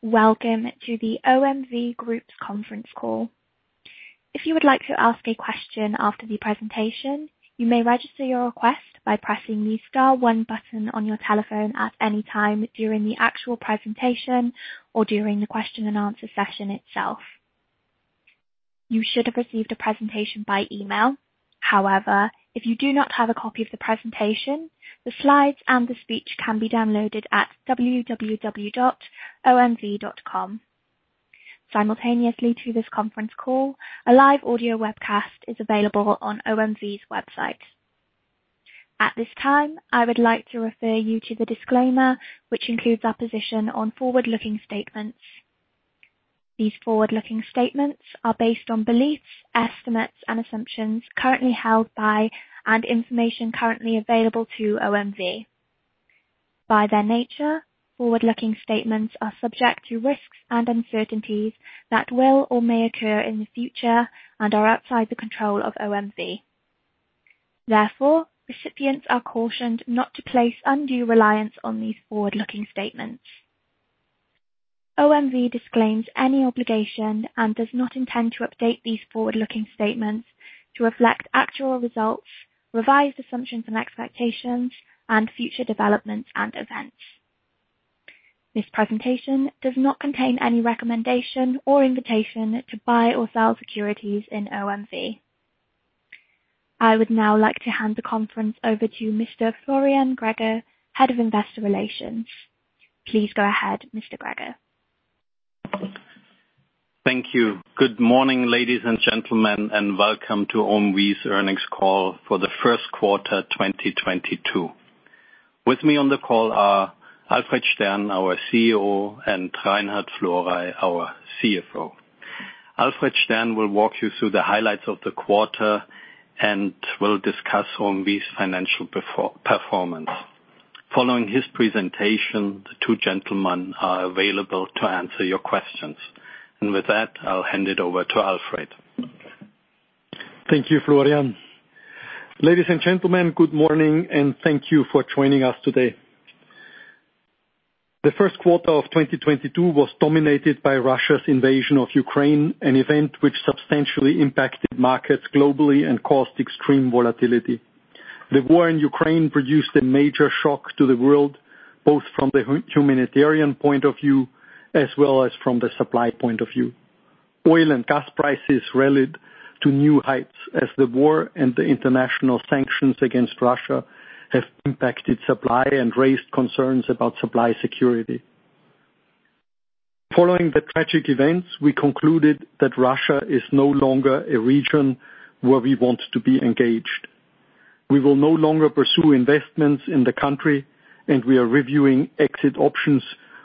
Welcome to the OMV Group's conference call. If you would like to ask a question after the presentation, you may register your request by pressing the star 1 button on your telephone at any time during the actual presentation or during the question and answer session itself. You should have received a presentation by email. However, if you do not have a copy of the presentation, the slides and the speech can be downloaded at www.omv.com. Simultaneously to this conference call, a live audio webcast is available on OMV's website. At this time, I would like to refer you to the disclaimer, which includes our position on forward-looking statements. These forward-looking statements are based on beliefs, estimates, and assumptions currently held by, and information currently available to OMV. By their nature, forward-looking statements are subject to risks and uncertainties that will or may occur in the future and are outside the control of OMV. Therefore, recipients are cautioned not to place undue reliance on these forward-looking statements. OMV disclaims any obligation and does not intend to update these forward-looking statements to reflect actual results, revised assumptions and expectations, and future developments and events. This presentation does not contain any recommendation or invitation to buy or sell securities in OMV. I would now like to hand the conference over to Mr. Florian Greger, Head of Investor Relations. Please go ahead, Mr. Greger. Thank you. Good morning, ladies and gentlemen, and welcome to OMV's earnings call for the 1st quarter, 2022. With me on the call are Alfred Stern, our CEO, and Reinhard Florey, our CFO. Alfred Stern will walk you through the highlights of the quarter and will discuss OMV's financial performance. Following his presentation, the two gentlemen are available to answer your questions. With that, I'll hand it over to Alfred. Thank you, Florian. Ladies and gentlemen, good morning, and thank you for joining us today. The 1st quarter of 2022 was dominated by Russia's invasion of Ukraine, an event which substantially impacted markets globally and caused extreme volatility. The war in Ukraine produced a major shock to the world, both from the humanitarian point of view as well as from the supply point of view. Oil and gas prices rallied to new heights as the war and the international sanctions against Russia have impacted supply and raised concerns about supply security. Following the tragic events, we concluded that Russia is no longer a region where we want to be engaged. We will no longer pursue investments in the country, and we are reviewing exit options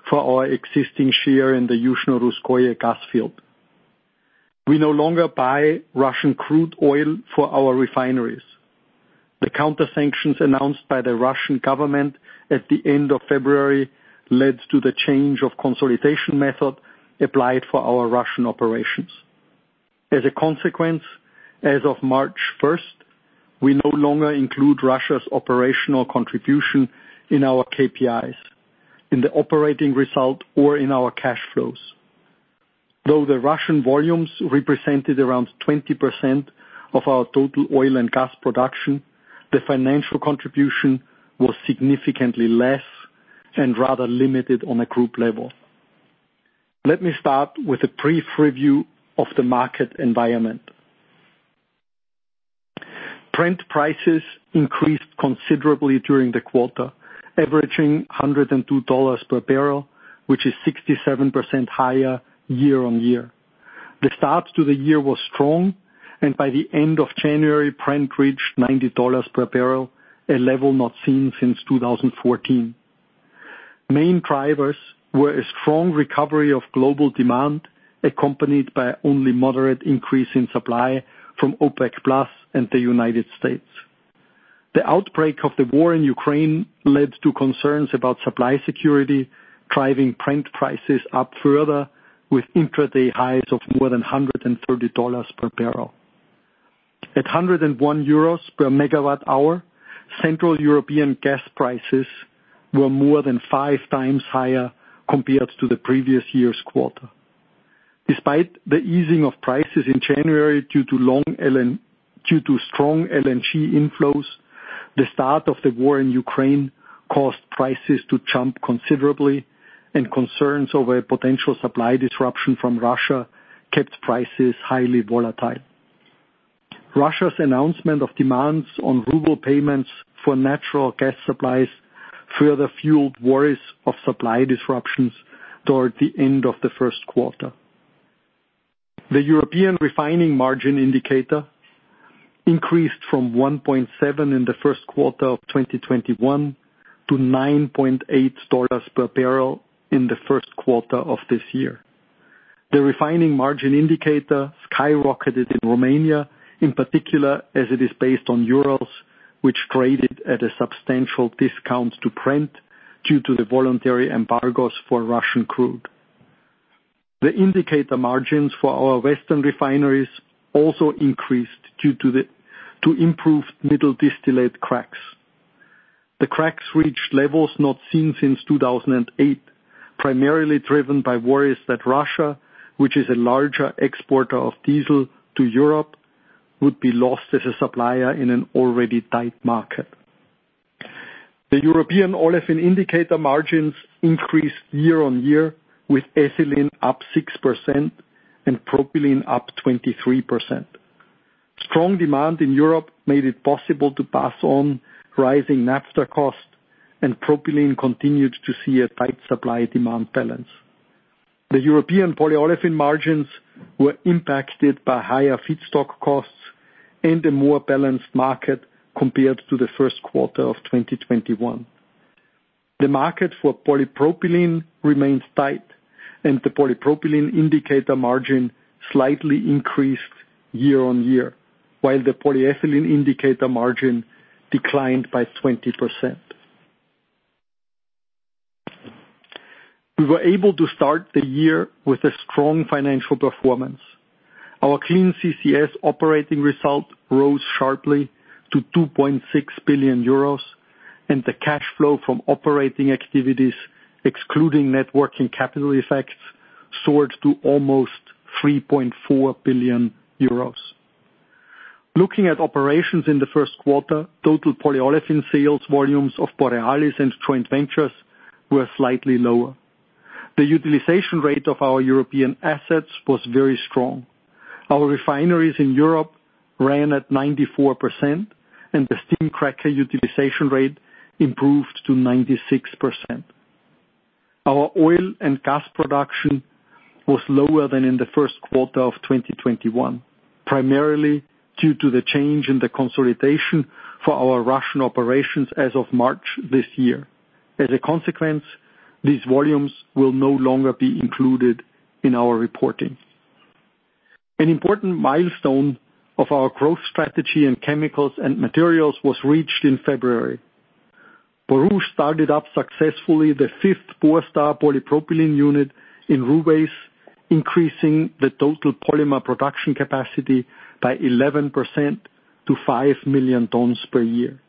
for our existing share in the Yuzhno-Russkoye gas field. We no longer buy Russian crude oil for our refineries. The counter-sanctions announced by the Russian government at the end of February led to the change of consolidation method applied for our Russian operations. As a consequence, as of March first, we no longer include Russia's operational contribution in our KPIs, in the operating result or in our cash flows. Though the Russian volumes represented around 20% of our total oil and gas production, the financial contribution was significantly less and rather limited on a group level. Let me start with a brief review of the market environment. Brent prices increased considerably during the quarter, averaging $102 per barrel, which is 67% higher year-on-year. The start to the year was strong, and by the end of January, Brent reached $90 per barrel, a level not seen since 2014. Main drivers were a strong recovery of global demand, accompanied by only moderate increase in supply from OPEC+ and the United States. The outbreak of the war in Ukraine led to concerns about supply security, driving Brent prices up further, with intraday highs of more than $130 per barrel. At 101 euros per megawatt hour, central European gas prices were more than 5x higher compared to the previous year's quarter. Despite the easing of prices in January due to strong LNG inflows, the start of the war in Ukraine caused prices to jump considerably and concerns over a potential supply disruption from Russia kept prices highly volatile. Russia's announcement of demands on ruble payments for natural gas supplies further fueled worries of supply disruptions toward the end of the 1st quarter. The European refining margin indicator increased from $1.7 in the 1st quarter of 2021 to $9.8 per barrel in the 1st quarter of this year. The refining margin indicator skyrocketed in Romania, in particular, as it is based on Urals, which traded at a substantial discount to Brent due to the voluntary embargoes for Russian crude. The indicator margins for our Western refineries also increased due to improved middle distillate cracks. The cracks reached levels not seen since 2008, primarily driven by worries that Russia, which is a larger exporter of diesel to Europe, would be lost as a supplier in an already tight market. The European olefin indicator margins increased year-on-year with ethylene up 6% and propylene up 23%. Strong demand in Europe made it possible to pass on rising naphtha costs, and propylene continued to see a tight supply-demand balance. The European polyolefin margins were impacted by higher feedstock costs and a more balanced market compared to the 1st quarter of 2021. The market for polypropylene remains tight, and the polypropylene indicator margin slightly increased year-on-year, while the polyethylene indicator margin declined by 20%. We were able to start the year with a strong financial performance. Our Clean CCS operating result rose sharply to 2.6 billion euros, and the cash flow from operating activities, excluding net working capital effects, soared to almost 3.4 billion euros. Looking at operations in the 1st quarter, total polyolefin sales volumes of Borealis and joint ventures were slightly lower. The utilization rate of our European assets was very strong. Our refineries in Europe ran at 94%, and the steam cracker utilization rate improved to 96%. Our oil and gas production was lower than in the 1st quarter of 2021, primarily due to the change in the consolidation for our Russian operations as of March this year. As a consequence, these volumes will no longer be included in our reporting. An important milestone of our growth strategy in chemicals and materials was reached in February. Borouge started up successfully the fifth Borstar polypropylene unit in Ruwais, increasing the total polymer production capacity by 11% to 5 million tons per year.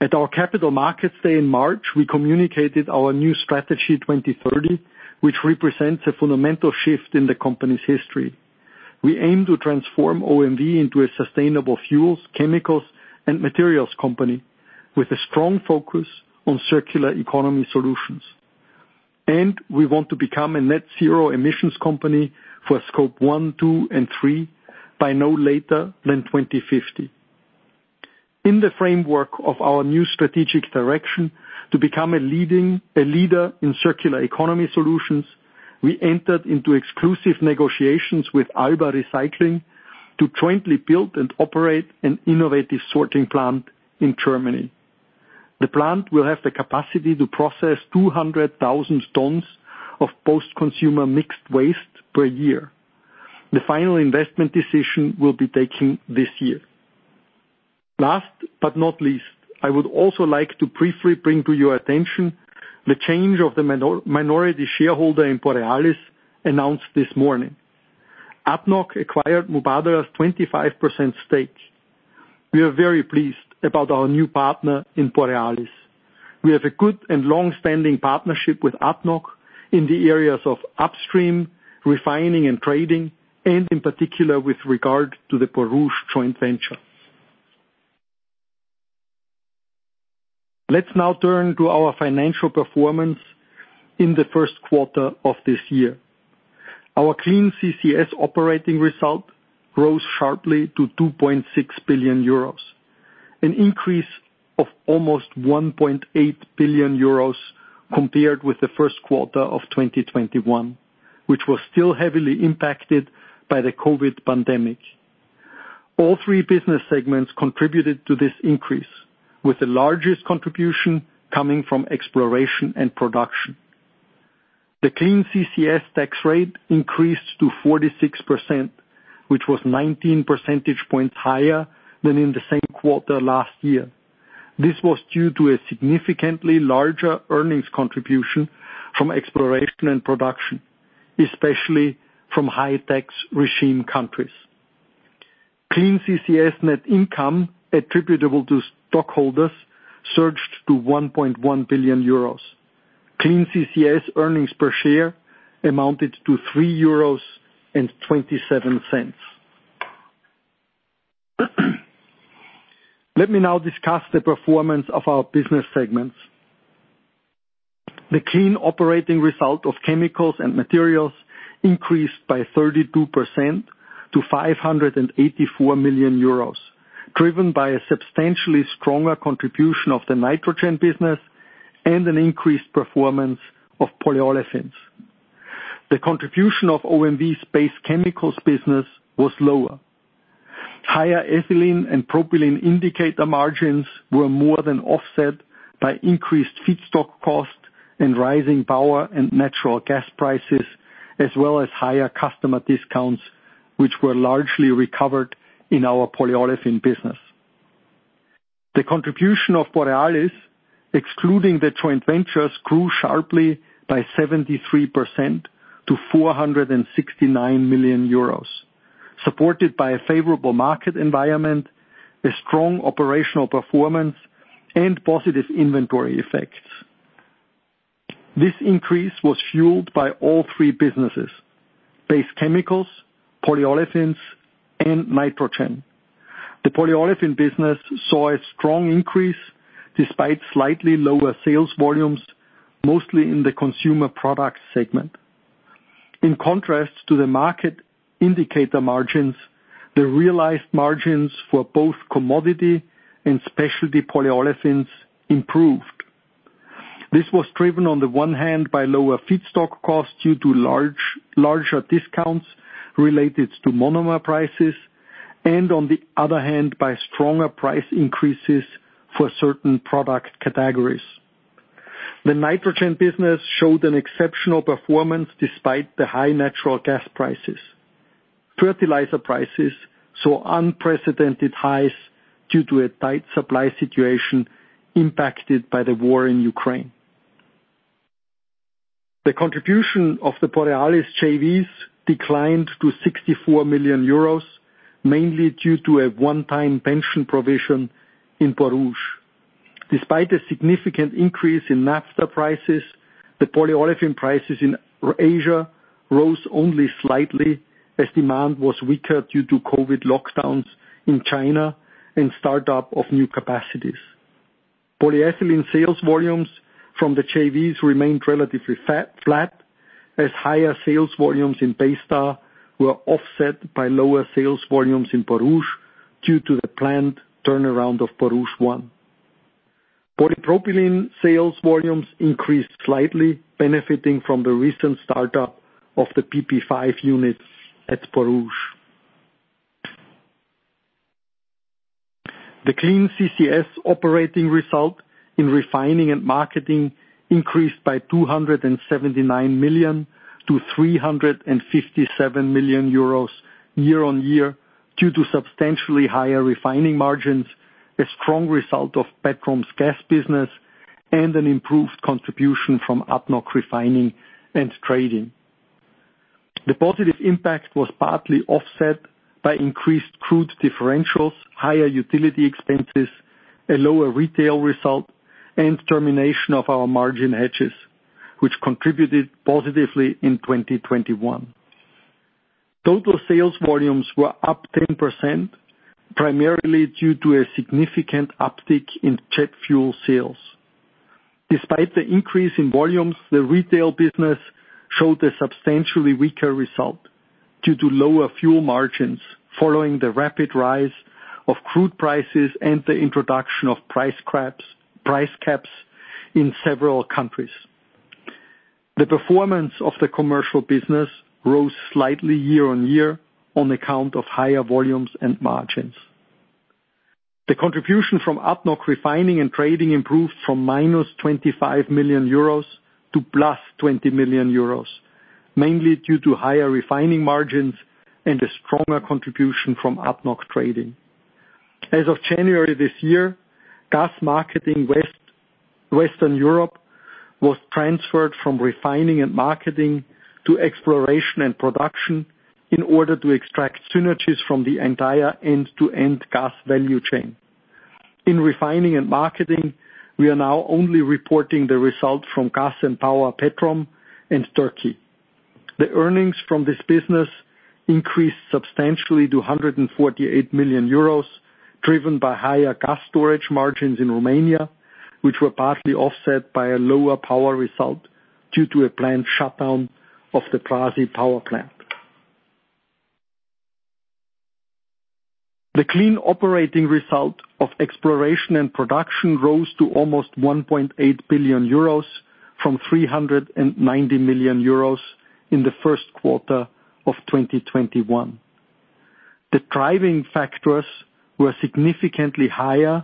At our Capital Markets Day in March, we communicated our new Strategy 2030, which represents a fundamental shift in the company's history. We aim to transform OMV into a sustainable fuels, chemicals, and materials company with a strong focus on circular economy solutions. We want to become a net zero emissions company for Scope 1, 2, and 3 by no later than 2050. In the framework of our new strategic direction to become a leader in circular economy solutions, we entered into exclusive negotiations with ALBA Recycling to jointly build and operate an innovative sorting plant in Germany. The plant will have the capacity to process 200,000 tons of post-consumer mixed waste per year. The final investment decision will be taken this year. Last but not least, I would also like to briefly bring to your attention the change of the minority shareholder in Borealis announced this morning. ADNOC acquired Mubadala's 25% stake. We are very pleased about our new partner in Borealis. We have a good and long-standing partnership with ADNOC in the areas of upstream, refining and trading, and in particular with regard to the Borouge joint venture. Let's now turn to our financial performance in the 1st quarter of this year. Our Clean CCS operating result rose sharply to 2.6 billion euros, an increase of almost 1.8 billion euros compared with the 1st quarter of 2021, which was still heavily impacted by the COVID pandemic. All 3 business segments contributed to this increase, with the largest contribution coming from exploration and production. The Clean CCS tax rate increased to 46%, which was 19 percentage points higher than in the same quarter last year. This was due to a significantly larger earnings contribution from exploration and production, especially from high-tax regime countries. Clean CCS net income attributable to stockholders surged to 1.1 billion euros. Clean CCS earnings per share amounted to 3.27 euros. Let me now discuss the performance of our business segments. The clean operating result of chemicals and materials increased by 32% to 584 million euros, driven by a substantially stronger contribution of the nitrogen business and an increased performance of polyolefins. The contribution of OMV's Base Chemicals business was lower. Higher ethylene and propylene indicator margins were more than offset by increased feedstock costs and rising power and natural gas prices, as well as higher customer discounts, which were largely recovered in our polyolefin business. The contribution of Borealis, excluding the joint ventures, grew sharply by 73% to 469 million euros. Supported by a favorable market environment, a strong operational performance, and positive inventory effects. This increase was fueled by all three businesses, base chemicals, polyolefins, and nitrogen. The polyolefin business saw a strong increase despite slightly lower sales volumes, mostly in the consumer products segment. In contrast to the market indicator margins, the realized margins for both commodity and specialty polyolefins improved. This was driven, on the one hand, by lower feedstock costs due to larger discounts related to monomer prices and, on the other hand, by stronger price increases for certain product categories. The nitrogen business showed an exceptional performance despite the high natural gas prices. Fertilizer prices saw unprecedented highs due to a tight supply situation impacted by the war in Ukraine. The contribution of the Borealis JVs declined to 64 million euros, mainly due to a one-time pension provision in Borouge. Despite a significant increase in naphtha prices, the polyolefin prices in Asia rose only slightly as demand was weaker due to COVID lockdowns in China and startup of new capacities. Polyethylene sales volumes from the JVs remained relatively flat, as higher sales volumes in Baystar were offset by lower sales volumes in Borouge due to the planned turnaround of Borouge 1. Polypropylene sales volumes increased slightly, benefiting from the recent startup of the PP5 units at Borouge. The clean CCS operating result in refining and marketing increased by 279 million-357 million euros year-on-year, due to substantially higher refining margins, a strong result of Petrom's gas business, and an improved contribution from ADNOC refining and trading. The positive impact was partly offset by increased crude differentials, higher utility expenses, a lower retail result, and termination of our margin hedges, which contributed positively in 2021. Total sales volumes were up 10%, primarily due to a significant uptick in jet fuel sales. Despite the increase in volumes, the retail business showed a substantially weaker result due to lower fuel margins following the rapid rise of crude prices and the introduction of price caps in several countries. The performance of the commercial business rose slightly year-on-year on account of higher volumes and margins. The contribution from ADNOC Refining and Trading improved from -25 million euros to +20 million euros, mainly due to higher refining margins and a stronger contribution from ADNOC Trading. As of January this year, gas marketing Western Europe was transferred from refining and marketing to exploration and production in order to extract synergies from the entire end-to-end gas value chain. In refining and marketing, we are now only reporting the results from Gas and Power Petrom in Turkey. The earnings from this business increased substantially to 148 million euros, driven by higher gas storage margins in Romania, which were partly offset by a lower power result due to a planned shutdown of the Brazi power plant. The clean operating result of exploration and production rose to almost 1.8 billion euros from 390 million euros in the 1st quarter of 2021. The driving factors were significantly higher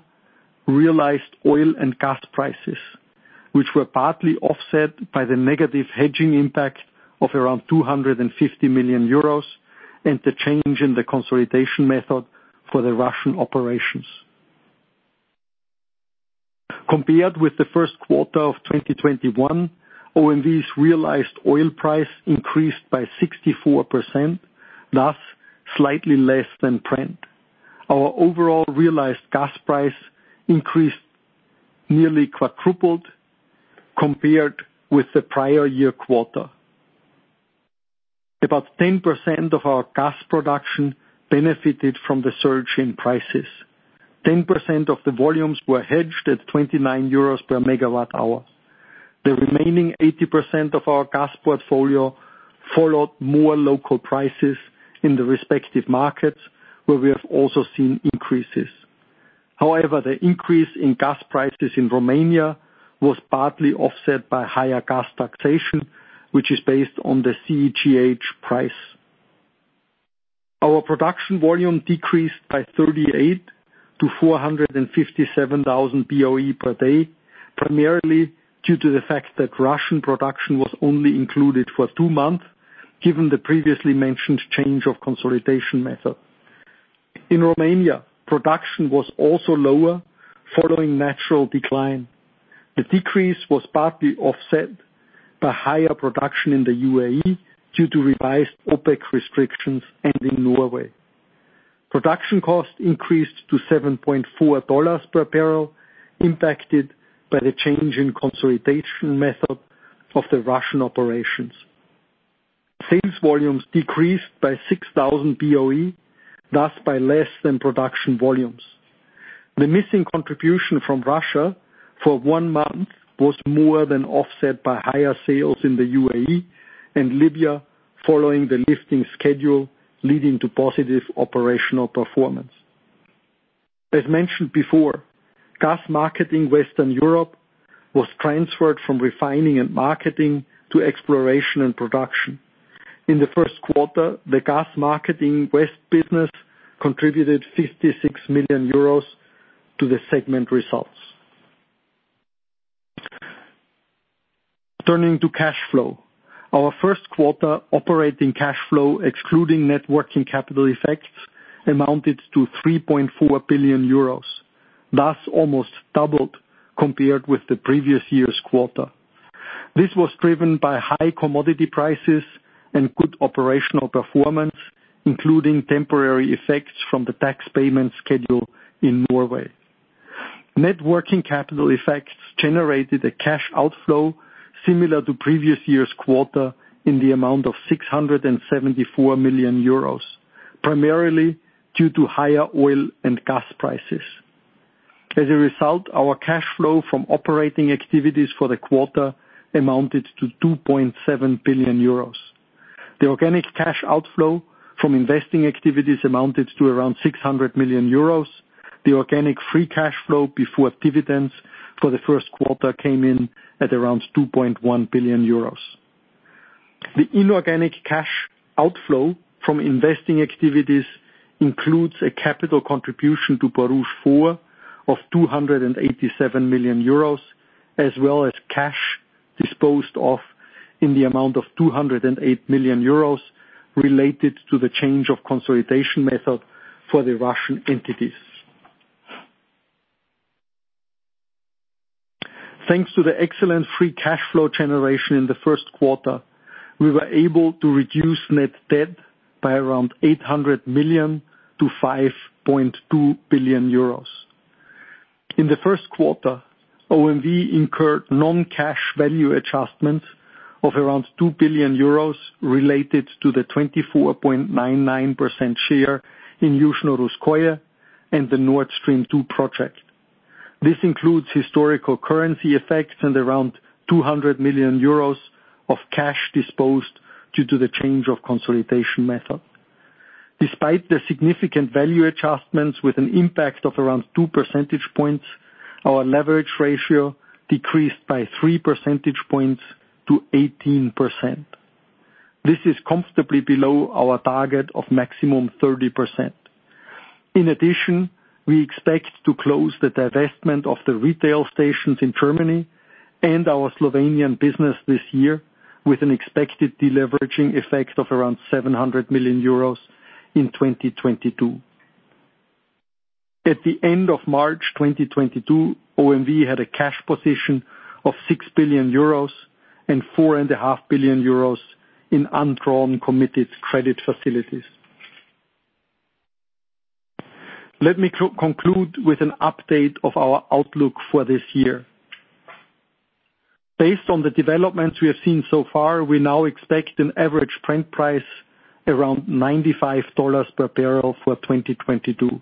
realized oil and gas prices, which were partly offset by the negative hedging impact of around 250 million euros and the change in the consolidation method for the Russian operations. Compared with the 1st quarter of 2021, OMV's realized oil price increased by 64%, thus slightly less than Brent. Our overall realized gas price increased, nearly quadrupled compared with the prior year quarter. About 10% of our gas production benefited from the surge in prices. 10% of the volumes were hedged at 29 euros per megawatt hour. The remaining 80% of our gas portfolio followed more local prices in the respective markets, where we have also seen increases. However, the increase in gas prices in Romania was partly offset by higher gas taxation, which is based on the CEGH price. Our production volume decreased by 38 to 457,000 BOE per day, primarily due to the fact that Russian production was only included for 2 months, given the previously mentioned change of consolidation method. In Romania, production was also lower following natural decline. The decrease was partly offset by higher production in the UAE due to revised OPEC restrictions and in Norway. Production cost increased to $7.4 per barrel, impacted by the change in consolidation method of the Russian operations. Sales volumes decreased by 6,000 BOE, thus by less than production volumes. The missing contribution from Russia for 1 month was more than offset by higher sales in the UAE and Libya following the lifting schedule, leading to positive operational performance. As mentioned before, gas marketing Western Europe was transferred from refining and marketing to exploration and production. In the 1st quarter, the gas marketing west business contributed 56 million euros to the segment results. Turning to cash flow. Our 1st quarter operating cash flow, excluding net working capital effects, amounted to 3.4 billion euros, thus almost doubled compared with the previous year's quarter. This was driven by high commodity prices and good operational performance, including temporary effects from the tax payment schedule in Norway. Net working capital effects generated a cash outflow similar to previous year's quarter in the amount of 674 million euros, primarily due to higher oil and gas prices. As a result, our cash flow from operating activities for the quarter amounted to 2.7 billion euros. The organic cash outflow from investing activities amounted to around 600 million euros. The organic free cash flow before dividends for the 1st quarter came in at around 2.1 billion euros. The inorganic cash outflow from investing activities includes a capital contribution to Borouge 4 of 287 million euros, as well as cash disposed of in the amount of 208 million euros related to the change of consolidation method for the Russian entities. Thanks to the excellent free cash flow generation in the 1st quarter, we were able to reduce net debt by around 800 million to 5.2 billion euros. In the 1st quarter, OMV incurred non-cash value adjustments of around 2 billion euros related to the 24.99% share in Yuzhno-Russkoye and the Nord Stream 2 project. This includes historical currency effects and around 200 million euros of cash disposed due to the change of consolidation method. Despite the significant value adjustments with an impact of around 2 percentage points, our leverage ratio decreased by 3 percentage points to 18%. This is comfortably below our target of maximum 30%. In addition, we expect to close the divestment of the retail stations in Germany and our Slovenian business this year, with an expected deleveraging effect of around 700 million euros in 2022. At the end of March 2022, OMV had a cash position of 6 billion euros and 4.5 billion euros in undrawn committed credit facilities. Let me conclude with an update of our outlook for this year. Based on the developments we have seen so far, we now expect an average Brent price around $95 per barrel for 2022.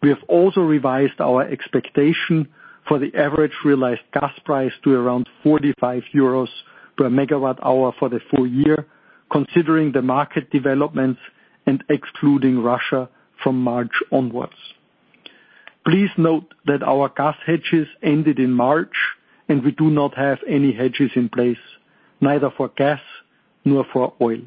We have also revised our expectation for the average realized gas price to around 45 euros per megawatt hour for the full year, considering the market developments and excluding Russia from March onwards. Please note that our gas hedges ended in March, and we do not have any hedges in place, neither for gas nor for oil.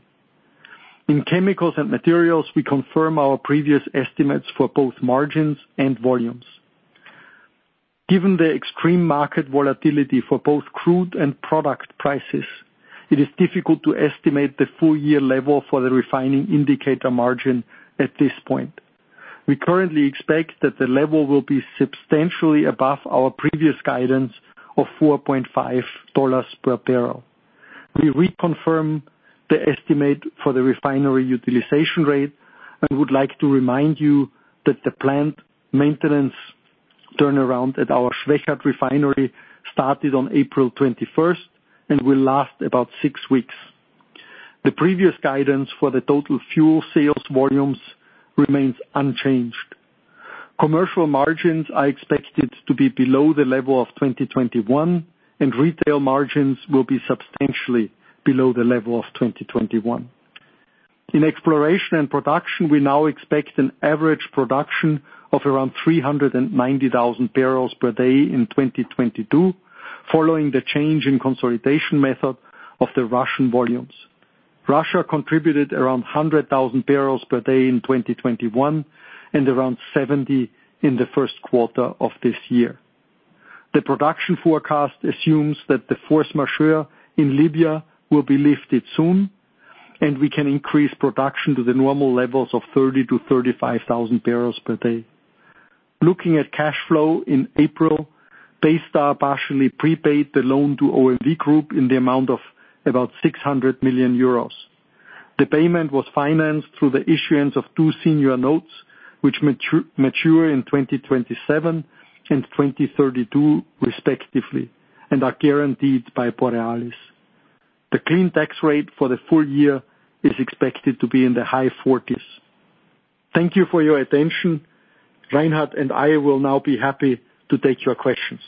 In chemicals and materials, we confirm our previous estimates for both margins and volumes. Given the extreme market volatility for both crude and product prices, it is difficult to estimate the full year level for the refining indicator margin at this point. We currently expect that the level will be substantially above our previous guidance of $4.5 per barrel. We reconfirm the estimate for the refinery utilization rate and would like to remind you that the plant maintenance turnaround at our Schwechat refinery started on April 21st and will last about 6 weeks. The previous guidance for the total fuel sales volumes remains unchanged. Commercial margins are expected to be below the level of 2021, and retail margins will be substantially below the level of 2021. In exploration and production, we now expect an average production of around 390,000 barrels per day in 2022, following the change in consolidation method of the Russian volumes. Russia contributed around 100,000 barrels per day in 2021, and around 70 in the 1st quarter of this year. The production forecast assumes that the force majeure in Libya will be lifted soon and we can increase production to the normal levels of 30,000-35,000 barrels per day. Looking at cash flow in April, Baystar partially prepaid the loan to OMV Group in the amount of about 600 million euros. The payment was financed through the issuance of two senior notes, which mature in 2027 and 2032 respectively, and are guaranteed by Borealis. The clean tax rate for the full year is expected to be in the high 40s%. Thank you for your attention. Reinhard and I will now be happy to take your questions.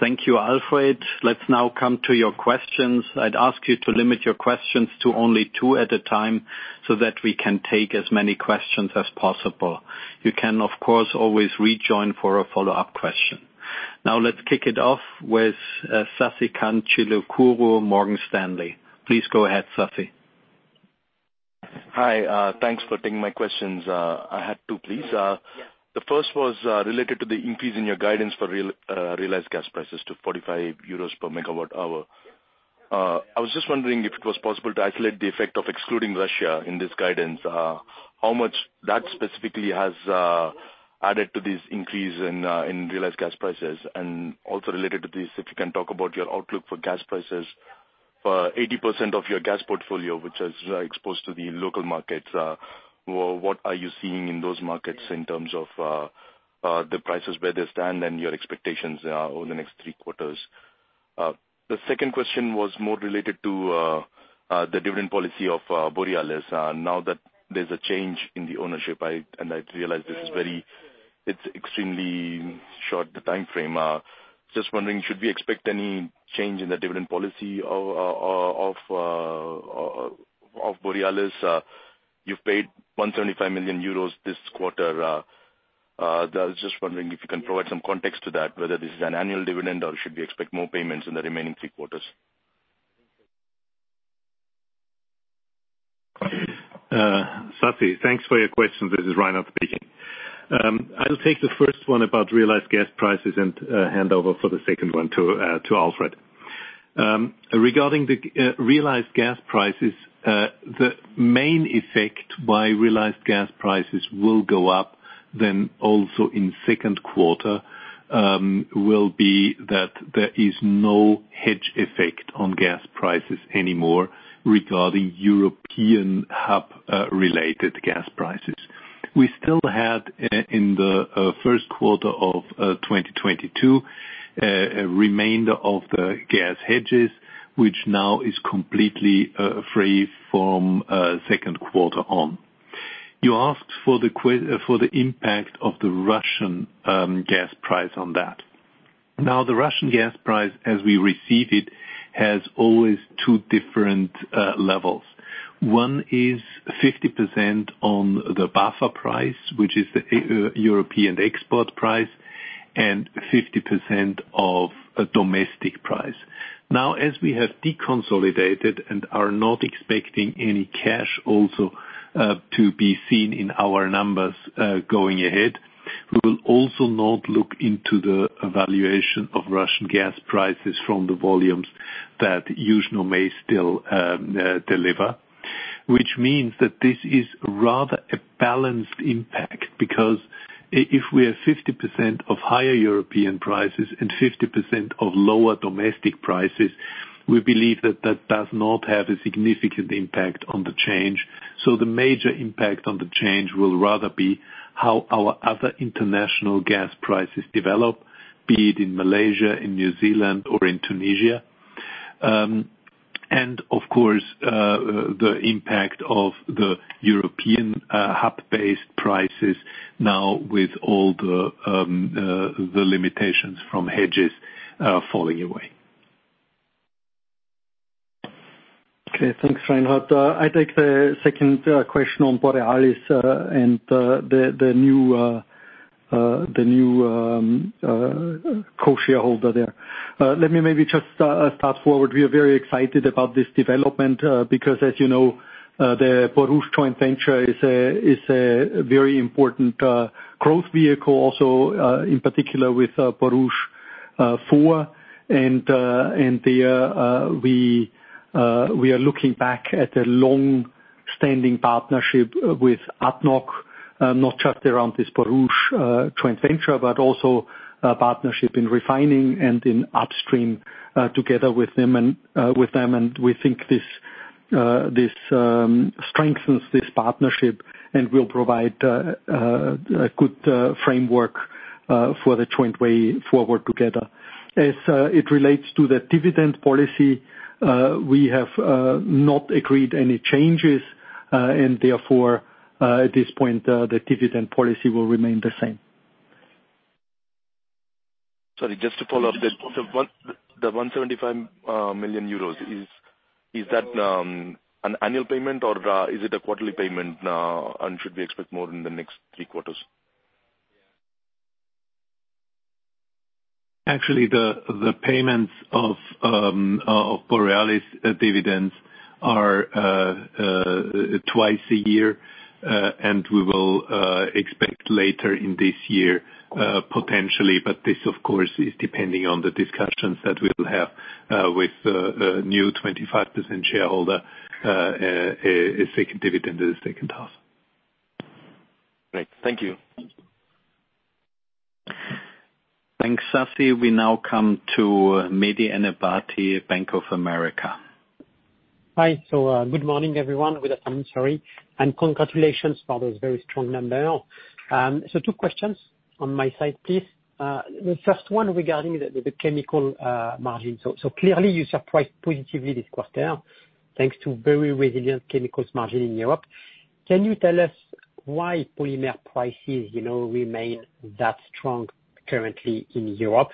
Thank you, Alfred. Let's now come to your questions. I'd ask you to limit your questions to only two at a time, so that we can take as many questions as possible. You can, of course, always rejoin for a follow-up question. Now, let's kick it off with Sasikanth Chilukuru, Morgan Stanley. Please go ahead, Sasi. Hi, thanks for taking my questions. I had two, please. The first was related to the increase in your guidance for realized gas prices to 45 euros per megawatt hour. I was just wondering if it was possible to isolate the effect of excluding Russia in this guidance, how much that specifically has added to this increase in realized gas prices? Also related to this, if you can talk about your outlook for gas prices for 80% of your gas portfolio, which is exposed to the local markets, what are you seeing in those markets in terms of the prices where they stand and your expectations over the next three quarters? The second question was more related to the dividend policy of Borealis. Now that there's a change in the ownership, and I realize this is very, it's extremely short timeframe. Just wondering, should we expect any change in the dividend policy of Borealis? You've paid 175 million euros this quarter. I was just wondering if you can provide some context to that, whether this is an annual dividend or should we expect more payments in the remaining three quarters? Sasi, thanks for your question. This is Reinhard speaking. I will take the first one about realized gas prices and hand over for the second one to Alfred. Regarding realized gas prices, the main effect why realized gas prices will go up then also in 2nd quarter will be that there is no hedge effect on gas prices anymore regarding European hub related gas prices. We still had in the 1st quarter of 2022 a remainder of the gas hedges, which now is completely free from 2nd quarter on. You asked for the impact of the Russian gas price on that. Now, the Russian gas price, as we receive it, has always two different levels. One is 50% on the BAFA price, which is the European export price, and 50% of a domestic price. Now, as we have deconsolidated and are not expecting any cash also to be seen in our numbers going ahead, we will also not look into the valuation of Russian gas prices from the volumes that Yuzhno may still deliver. Which means that this is rather a balanced impact because if we have 50% of higher European prices and 50% of lower domestic prices, we believe that that does not have a significant impact on the change. The major impact on the change will rather be how our other international gas prices develop, be it in Malaysia, in New Zealand or in Tunisia. Of course, the impact of the European hub-based prices now with all the limitations from hedges falling away. Okay, thanks, Reinhard. I take the second question on Borealis and the new co-shareholder there. Let me maybe just start forward. We are very excited about this development because as you know, the Borouge joint venture is a very important growth vehicle also in particular with Borouge 4. There we are looking back at a long-standing partnership with ADNOC not just around this Borouge joint venture, but also a partnership in refining and in upstream together with them and with them. We think this strengthens this partnership and will provide a good framework for the joint way forward together. As it relates to the dividend policy, we have not agreed any changes, and therefore, at this point, the dividend policy will remain the same. Sorry, just to follow up. The 175 million euros, is that an annual payment or is it a quarterly payment? Should we expect more in the next three quarters? Actually, the payments of Borealis dividends are twice a year. We will expect later in this year, potentially, but this of course is depending on the discussions that we'll have with the new 25% shareholder, a second dividend in the second half. Great. Thank you. Thanks, Sasi. We now come to Mehdi Ennebati, Bank of America. Hi. Good morning, everyone with us, I'm sorry, and congratulations for those very strong numbers. Two questions on my side, please. The first one regarding the chemical margin. Clearly you surprised positively this quarter thanks to very resilient chemicals margin in Europe. Can you tell us why polymer prices, you know, remain that strong currently in Europe?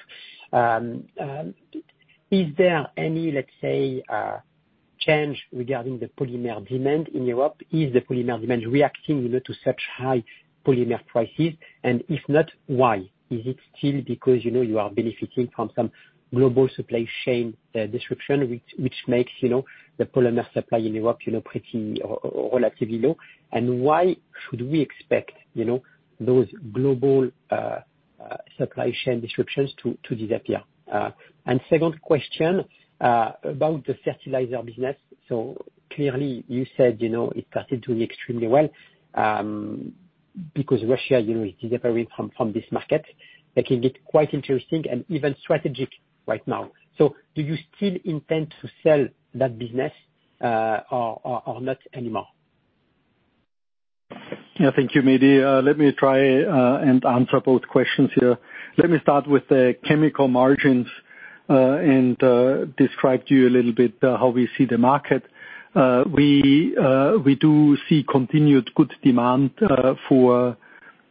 Is there any, let's say, change regarding the polymer demand in Europe? Is the polymer demand reacting, you know, to such high polymer prices? And if not, why? Is it still because, you know, you are benefiting from some global supply chain disruption, which makes, you know, the polymer supply in Europe, you know, relatively low, and why should we expect, you know, those global supply chain disruptions to disappear? Second question about the fertilizer business. Clearly you said, you know, it started doing extremely well, because Russia, you know, is recovering from this market that can get quite interesting and even strategic right now. Do you still intend to sell that business, or not anymore? Yeah, thank you, Mehdi. Let me try and answer both questions here. Let me start with the chemical margins and describe to you a little bit how we see the market. We do see continued good demand for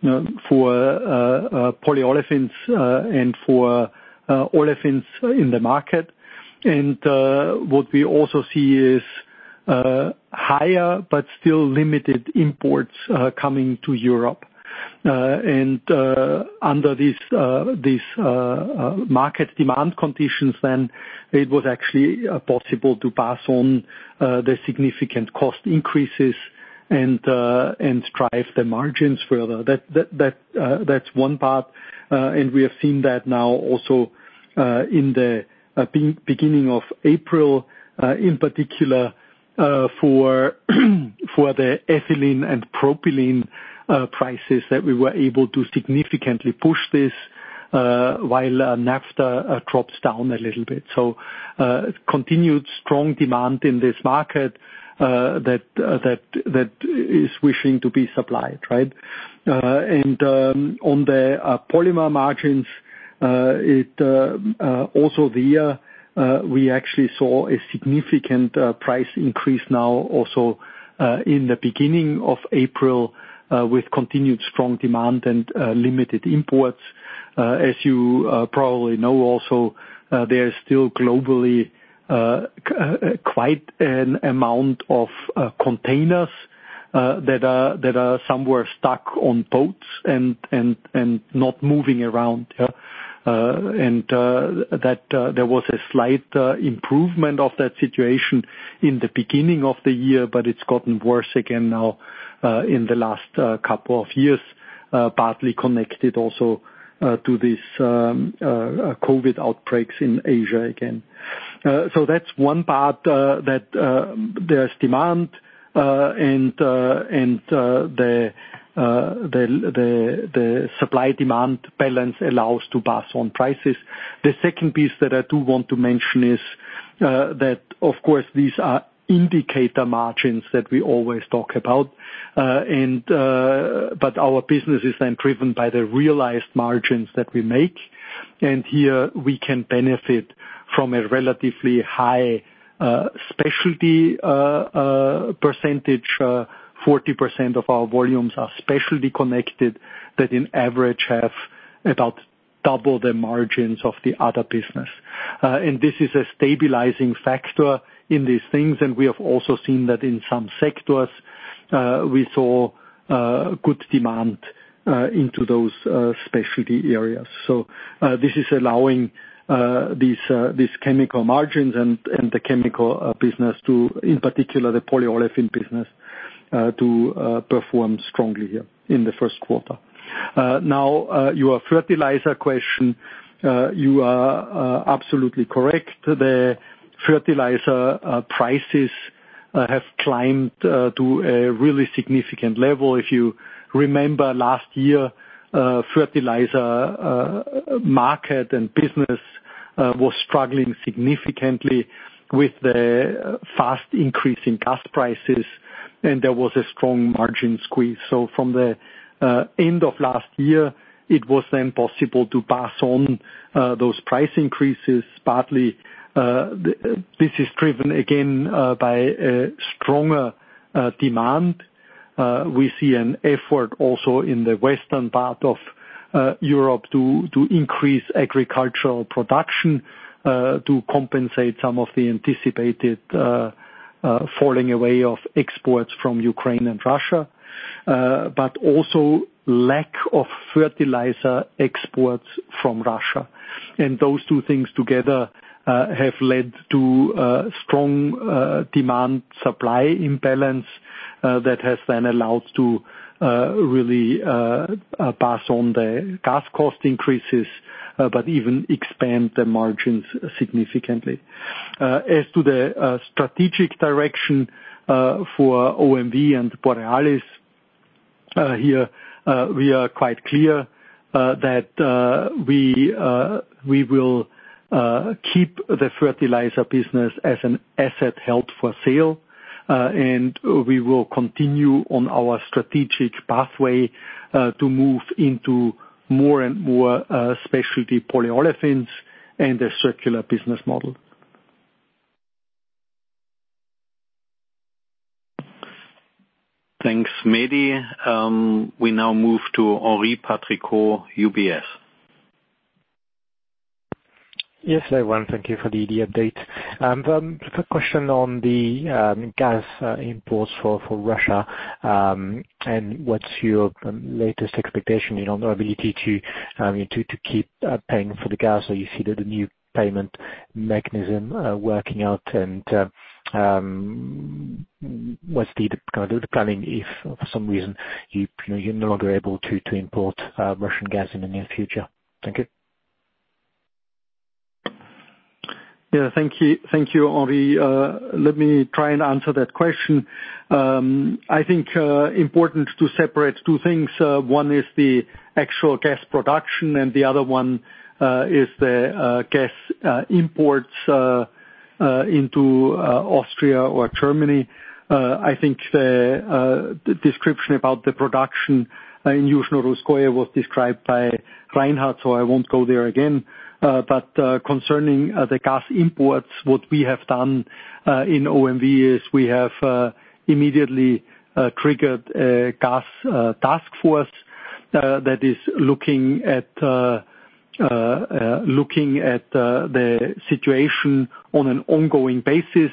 polyolefins and for olefins in the market. What we also see is higher but still limited imports coming to Europe. Under these market demand conditions, then it was actually possible to pass on the significant cost increases and drive the margins further. That's one part. We have seen that now also in the beginning of April, in particular for the ethylene and propylene prices that we were able to significantly push this while NAFTA drops down a little bit. Continued strong demand in this market that is wishing to be supplied, right? On the polymer margins, we actually saw a significant price increase now also in the beginning of April with continued strong demand and limited imports. As you probably know also, there is still globally quite an amount of containers that are somewhere stuck on boats and not moving around. There was a slight improvement of that situation in the beginning of the year, but it's gotten worse again now in the last couple of years, partly connected also to these COVID outbreaks in Asia again. That's one part that there's demand and the supply-demand balance allows to pass on prices. The second piece that I do want to mention is that of course these are indicative margins that we always talk about. Our business is then driven by the realized margins that we make. Here we can benefit from a relatively high specialty percentage. 40% of our volumes are specialty connected that on average have about double the margins of the other business. This is a stabilizing factor in these things, and we have also seen that in some sectors, good demand into those specialty areas. This is allowing these chemical margins and the chemical business to, in particular the polyolefin business, perform strongly here in the 1st quarter. Your fertilizer question, you are absolutely correct. The fertilizer prices have climbed to a really significant level. If you remember last year, fertilizer market and business was struggling significantly with the fast increase in gas prices, and there was a strong margin squeeze. From the end of last year, it was then possible to pass on those price increases. Partly, this is driven again by a stronger demand. We see an effort also in the western part of Europe to increase agricultural production to compensate some of the anticipated falling away of exports from Ukraine and Russia, but also lack of fertilizer exports from Russia. Those two things together have led to strong demand supply imbalance that has then allowed to really pass on the gas cost increases, but even expand the margins significantly. As to the strategic direction for OMV and Borealis, here we are quite clear that we will keep the fertilizer business as an asset held for sale. We will continue on our strategic pathway to move into more and more specialty polyolefins and a circular business model. Thanks, Mehdi. We now move to Henri Patricot, UBS. Yes. Hi, everyone. Thank you for the update. Quick question on the gas imports from Russia. What's your latest expectation on your ability to keep paying for the gas? You see that the new payment mechanism working out and what's the kind of planning if for some reason you know you're no longer able to import Russian gas in the near future? Thank you. Yeah. Thank you. Thank you, Henri. Let me try and answer that question. I think important to separate two things. One is the actual gas production and the other one is the gas imports into Austria or Germany. I think the description about the production in Yuzhno-Russkoye was described by Reinhard, so I won't go there again. Concerning the gas imports, what we have done in OMV is we have immediately triggered a gas task force that is looking at the situation on an ongoing basis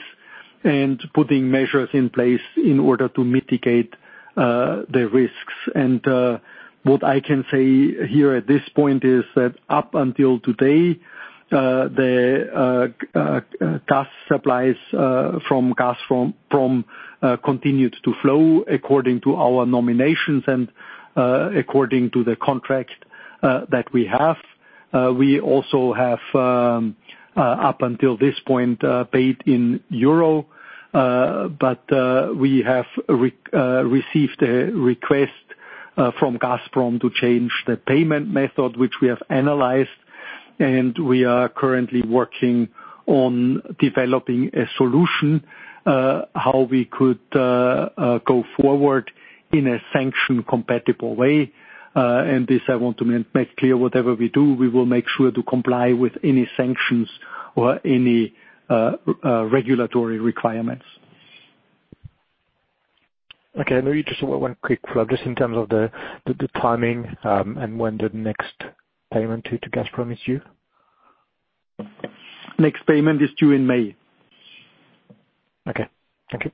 and putting measures in place in order to mitigate the risks. What I can say here at this point is that up until today, the gas supplies from Gazprom continued to flow according to our nominations and according to the contract that we have. We also have up until this point paid in euro, but we have received a request from Gazprom to change the payment method, which we have analyzed, and we are currently working on developing a solution how we could go forward in a sanction-compatible way. This I want to make clear. Whatever we do, we will make sure to comply with any sanctions or any regulatory requirements. Okay. Maybe just one quick follow-up, just in terms of the timing, and when the next payment to Gazprom is due? Next payment is due in May. Okay. Thank you.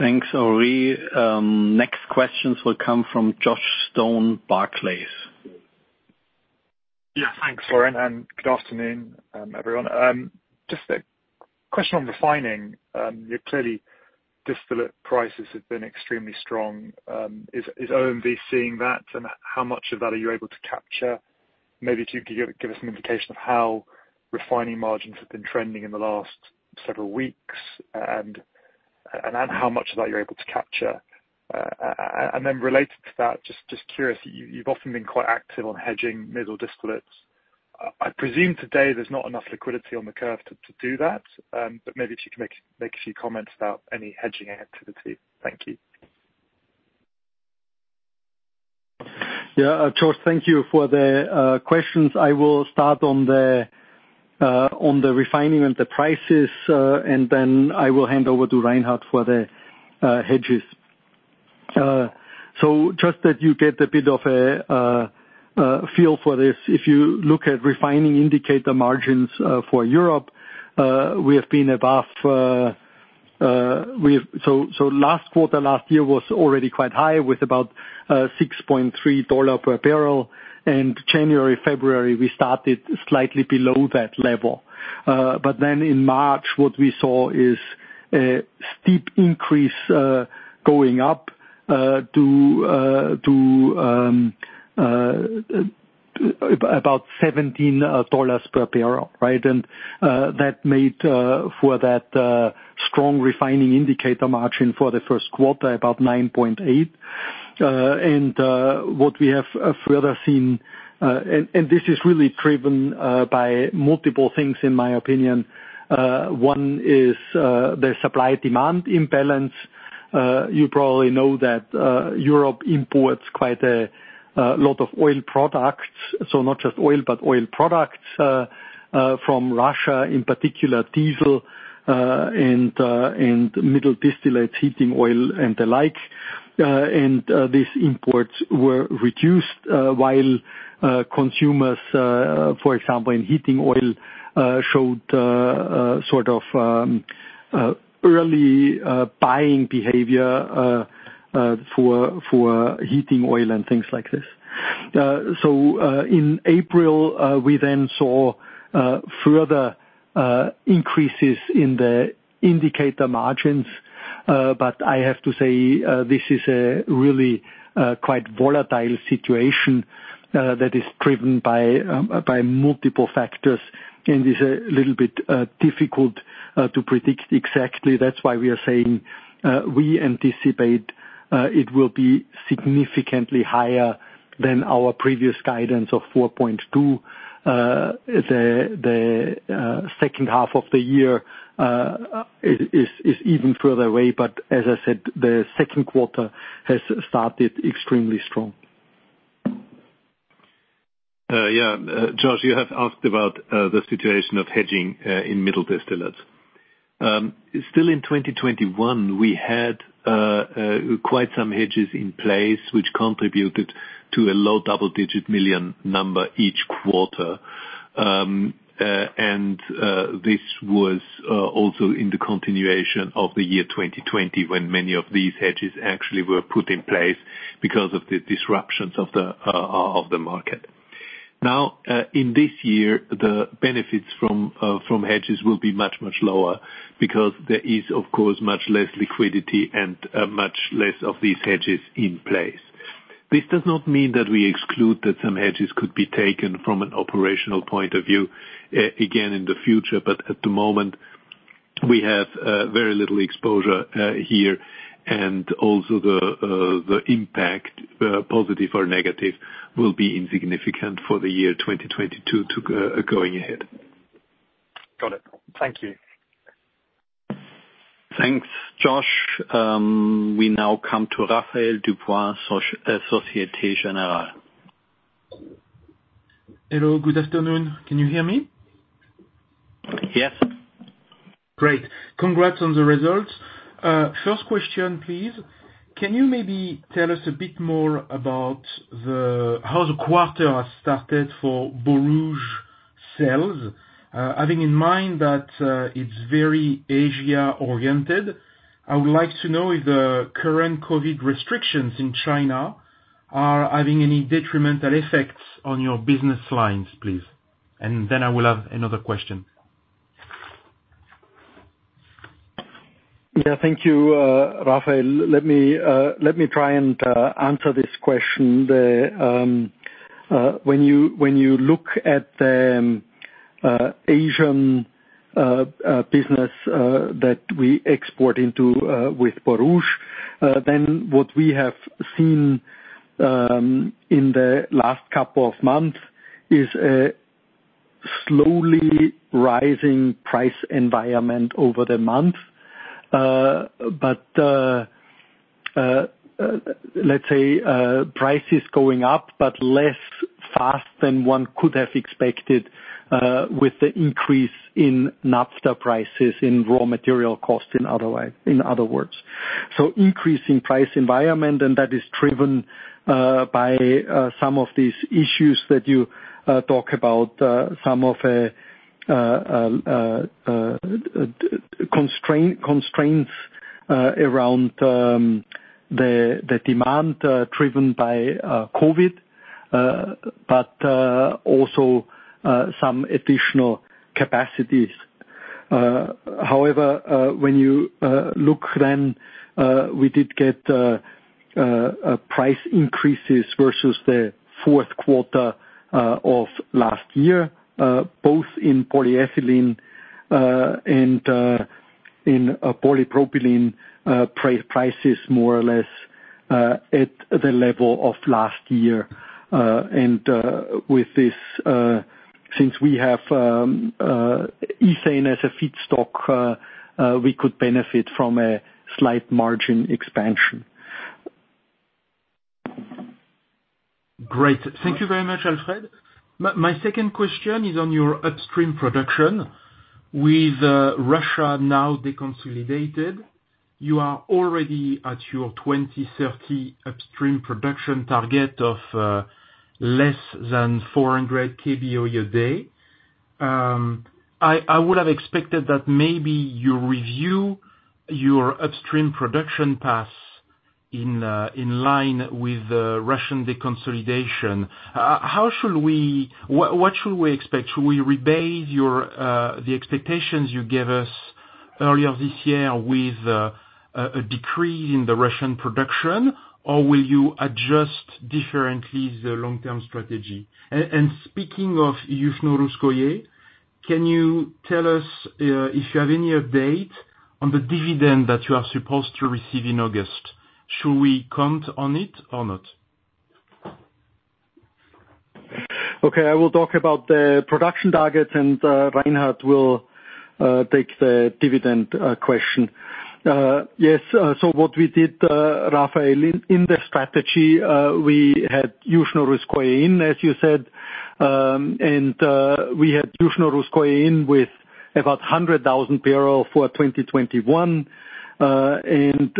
Thanks, Henri Patricot. Next questions will come from Josh Stone, Barclays. Yeah. Thanks, Florian Greger, and good afternoon, everyone. Just a question on refining. Clearly distillate prices have been extremely strong. Is OMV seeing that? How much of that are you able to capture? Maybe if you could give us an indication of how refining margins have been trending in the last several weeks and how much of that you're able to capture. Related to that, just curious, you've often been quite active on hedging middle distillates. I presume today there's not enough liquidity on the curve to do that. Maybe if you can make a few comments about any hedging activity. Thank you. Yeah, Josh, thank you for the questions. I will start on the refining and the prices, and then I will hand over to Reinhard for the hedges. Just that you get a bit of a feel for this, if you look at refining indicator margins for Europe, we have been above. Last quarter last year was already quite high with about $6.3 per barrel. January, February, we started slightly below that level. Then in March, what we saw is a steep increase going up to about $17 per barrel, right? That made for that strong refining indicator margin for the 1st quarter, about $9.8. What we have further seen, and this is really driven by multiple things in my opinion, one is the supply-demand imbalance. You probably know that Europe imports quite a lot of oil products. Not just oil, but oil products from Russia, in particular, diesel, and middle distillates, heating oil and the like. These imports were reduced while consumers, for example, in heating oil, showed sort of early buying behavior for heating oil and things like this. In April, we then saw further increases in the indicator margins. I have to say, this is a really quite volatile situation that is driven by multiple factors and is a little bit difficult to predict exactly. That's why we are saying we anticipate it will be significantly higher than our previous guidance of 4.2. The second half of the year is even further away. As I said, the 2nd quarter has started extremely strong. Yeah. Josh, you have asked about the situation of hedging in middle distillates. Still in 2021, we had quite some hedges in place which contributed to a low double-digit million EUR number each quarter. This was also in the continuation of the year 2020, when many of these hedges actually were put in place because of the disruptions of the market. Now, in this year, the benefits from hedges will be much, much lower because there is, of course, much less liquidity and much less of these hedges in place. This does not mean that we exclude that some hedges could be taken from an operational point of view again, in the future. At the moment, we have very little exposure here. Also, the impact, positive or negative, will be insignificant for the year 2022 to going ahead. Got it. Thank you. Thanks, Josh. We now come to Raphael Dubois, Societe Generale. Hello. Good afternoon. Can you hear me? Yes. Great. Congrats on the results. First question, please. Can you maybe tell us a bit more about how the quarter has started for Borouge sales, having in mind that it's very Asia-oriented? I would like to know if the current COVID restrictions in China are having any detrimental effects on your business lines, please. I will have another question. Thank you, Raphael. Let me try and answer this question. When you look at the Asian business that we export into with Borouge, then what we have seen in the last couple of months is a slowly rising price environment over the month. Let's say, prices going up, but less fast than one could have expected, with the increase in naphtha prices in raw material costs, in other words. Increasing price environment, and that is driven by some of these issues that you talk about. Some constraints around the demand driven by COVID, but also some additional capacities. However, when you look then, we did get price increases versus the fourth quarter of last year, both in polyethylene and in polypropylene, prices more or less at the level of last year. With this, since we have ethane as a feedstock, we could benefit from a slight margin expansion. Great. Thank you very much, Alfred. My second question is on your upstream production. With Russia now deconsolidated, you are already at your 2030 upstream production target of less than 400 KBOE/day. I would have expected that maybe you review your upstream production paths in line with the Russian deconsolidation. What should we expect? Should we rebase your the expectations you gave us earlier this year with a decrease in the Russian production, or will you adjust differently the long-term strategy? Speaking of Yuzhno-Russkoye, can you tell us if you have any update on the dividend that you are supposed to receive in August? Should we count on it or not? Okay, I will talk about the production targets and Reinhard will take the dividend question. Yes, what we did, Raphael, in the strategy, we had Yuzhno-Russkoye in, as you said. We had Yuzhno-Russkoye in with about 100,000 barrels for 2021. With 80,000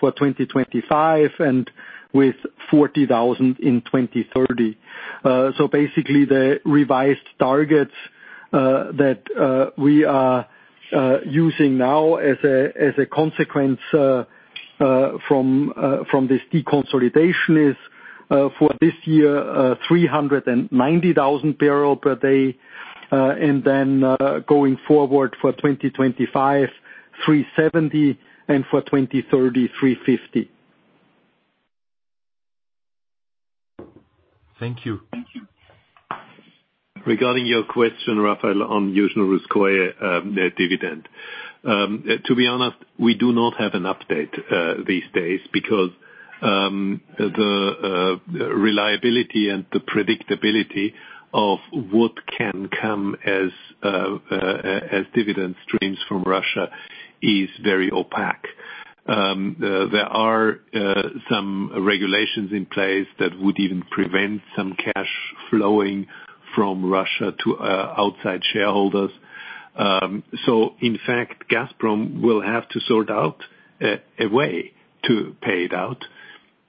for 2025 and with 40,000 in 2030. Basically the revised targets that we are using now as a consequence from this deconsolidation is for this year 390,000 barrels per day. Going forward for 2025, 370, and for 2030, 350. Thank you. Regarding your question, Raphael, on Yuzhno-Russkoye, their dividend. To be honest, we do not have an update these days. Because the reliability and the predictability of what can come as dividend streams from Russia is very opaque. There are some regulations in place that would even prevent some cash flowing from Russia to outside shareholders. So in fact, Gazprom will have to sort out a way to pay it out.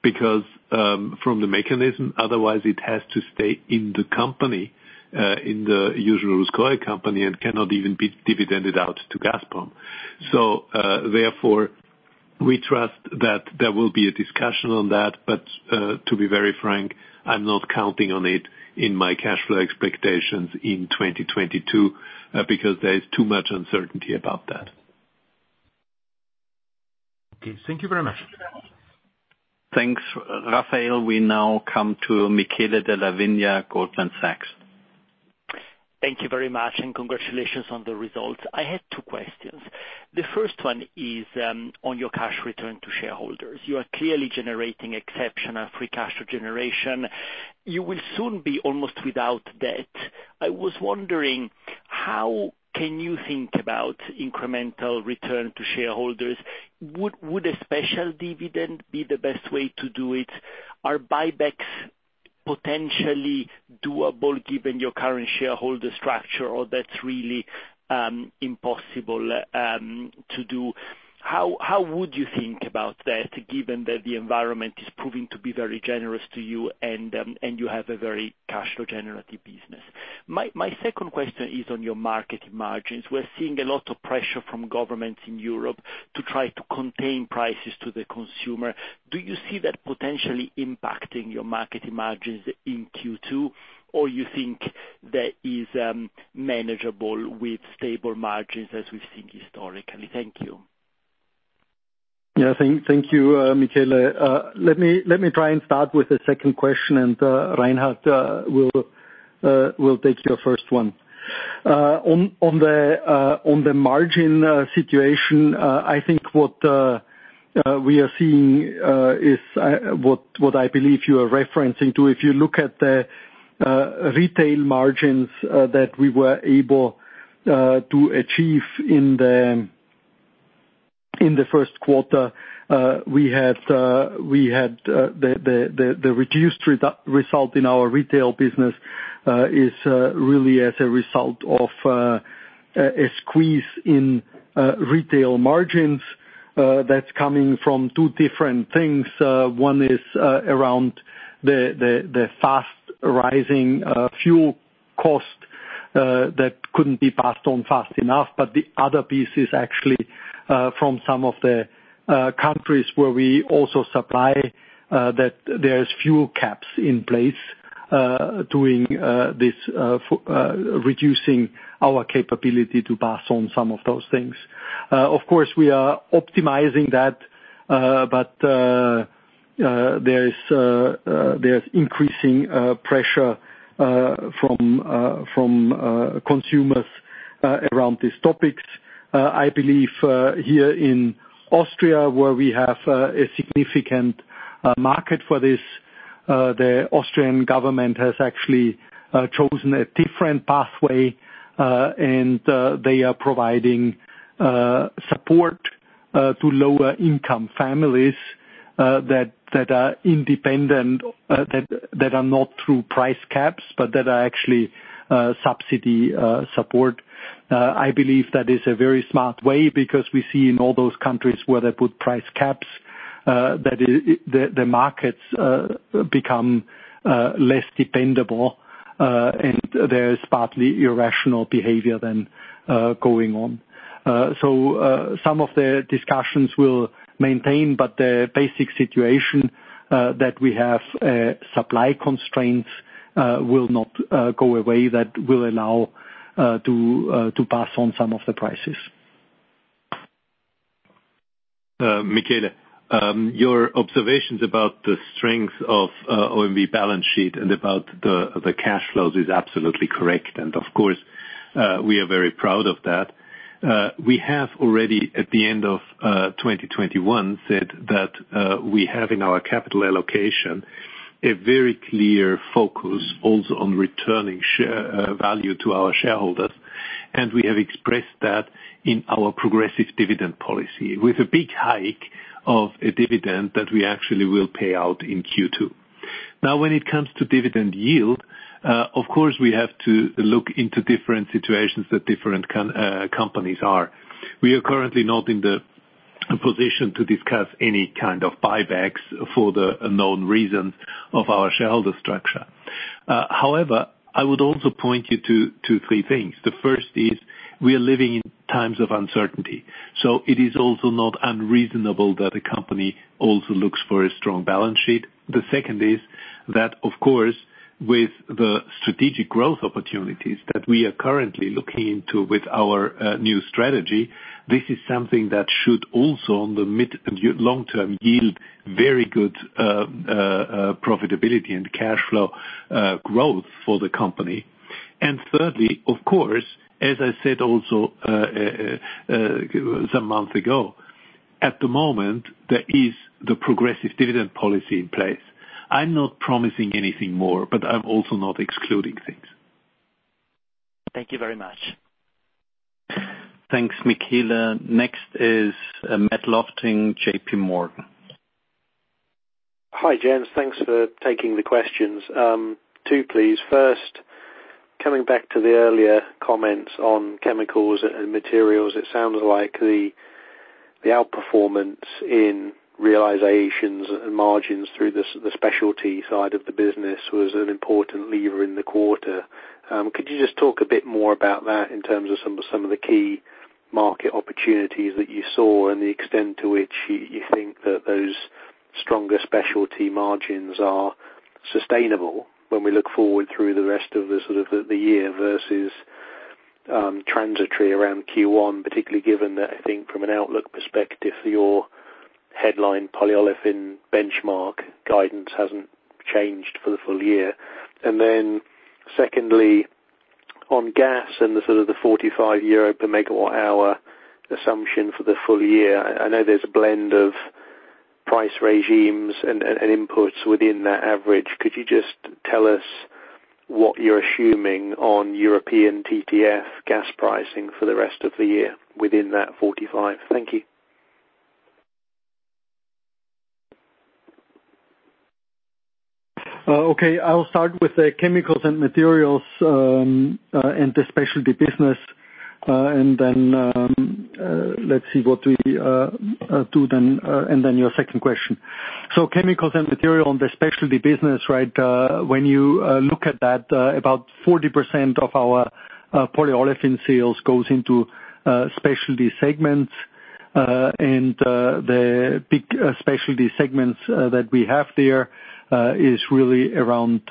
Because from the mechanism, otherwise it has to stay in the company, in the Yuzhno-Russkoye company and cannot even be dividended out to Gazprom. Therefore, we trust that there will be a discussion on that. To be very frank, I'm not counting on it in my cash flow expectations in 2022, because there is too much uncertainty about that. Okay, thank you very much. Thanks, Raphael. We now come to Michele Della Vigna, Goldman Sachs. Thank you very much, and congratulations on the results. I had two questions. The first one is on your cash return to shareholders. You are clearly generating exceptional free cash flow generation. You will soon be almost without debt. I was wondering how can you think about incremental return to shareholders? Would a special dividend be the best way to do it? Are buybacks potentially doable given your current shareholder structure, or that's really impossible to do? How would you think about that given that the environment is proving to be very generous to you and you have a very cash flow generative business? My second question is on your market margins. We're seeing a lot of pressure from governments in Europe to try to contain prices to the consumer. Do you see that potentially impacting your market margins in Q2? You think that is manageable with stable margins as we've seen historically? Thank you. Yeah, thank you, Michele. Let me try and start with the second question. Reinhard will take your first one. On the margin situation, I think what we are seeing is what I believe you are referencing to. If you look at the retail margins that we were able to achieve in the 1st quarter, we had the reduced result in our retail business is really as a result of a squeeze in retail margins that's coming from two different things. One is around the fast rising fuel cost that couldn't be passed on fast enough. The other piece is actually from some of the countries where we also supply that there's fuel caps in place doing this reducing our capability to pass on some of those things. Of course, we are optimizing that, but there's increasing pressure from consumers around these topics. I believe here in Austria, where we have a significant market for this, the Austrian government has actually chosen a different pathway. They are providing support to lower-income families that are independent, that are not through price caps, but that are actually subsidy support. I believe that is a very smart way, because we see in all those countries where they put price caps, that the markets become less dependable, and there is partly irrational behavior then going on. So, some of the discussions we'll maintain, but the basic situation that we have, supply constraints, will not go away. That will allow to pass on some of the prices. Michele, your observations about the strength of OMV balance sheet and about the cash flows is absolutely correct. Of course we are very proud of that. We have already at the end of 2021 said that we have in our capital allocation a very clear focus also on returning share value to our shareholders. We have expressed that in our progressive dividend policy with a big hike of a dividend that we actually will pay out in Q2. Now, when it comes to dividend yield, of course, we have to look into different situations that different companies are. We are currently not in the position to discuss any kind of buybacks for the known reasons of our shareholder structure. However, I would also point you to three things. The first is we are living in times of uncertainty, so it is also not unreasonable that a company also looks for a strong balance sheet. The second is that, of course, with the strategic growth opportunities that we are currently looking into with our new strategy, this is something that should also on the mid and long-term yield very good profitability and cash flow growth for the company. Thirdly, of course, as I said also some month ago, at the moment, there is the progressive dividend policy in place. I'm not promising anything more, but I'm also not excluding things. Thank you very much. Thanks, Michele. Next is, Matt Lofting, J.P. Morgan. Hi, Jens. Thanks for taking the questions. 2, please. First, coming back to the earlier comments on chemicals and materials, it sounds like the outperformance in realizations and margins through the specialty side of the business was an important lever in the quarter. Could you just talk a bit more about that in terms of some of the key market opportunities that you saw and the extent to which you think that those stronger specialty margins are sustainable when we look forward through the rest of the sort of the year versus transitory around Q1, particularly given that I think from an outlook perspective, your headline polyolefin benchmark guidance hasn't changed for the full year. Secondly, on gas and sort of the 45 euro per megawatt-hour assumption for the full year, I know there's a blend of price regimes and inputs within that average. Could you just tell us what you're assuming on European TTF gas pricing for the rest of the year within that 45? Thank you. Okay. I'll start with the chemicals and materials and the specialty business, and then let's see what we do then, and then your second question. Chemicals and materials in the specialty business, right, when you look at that, about 40% of our polyolefin sales goes into specialty segments. The big specialty segments that we have there is really around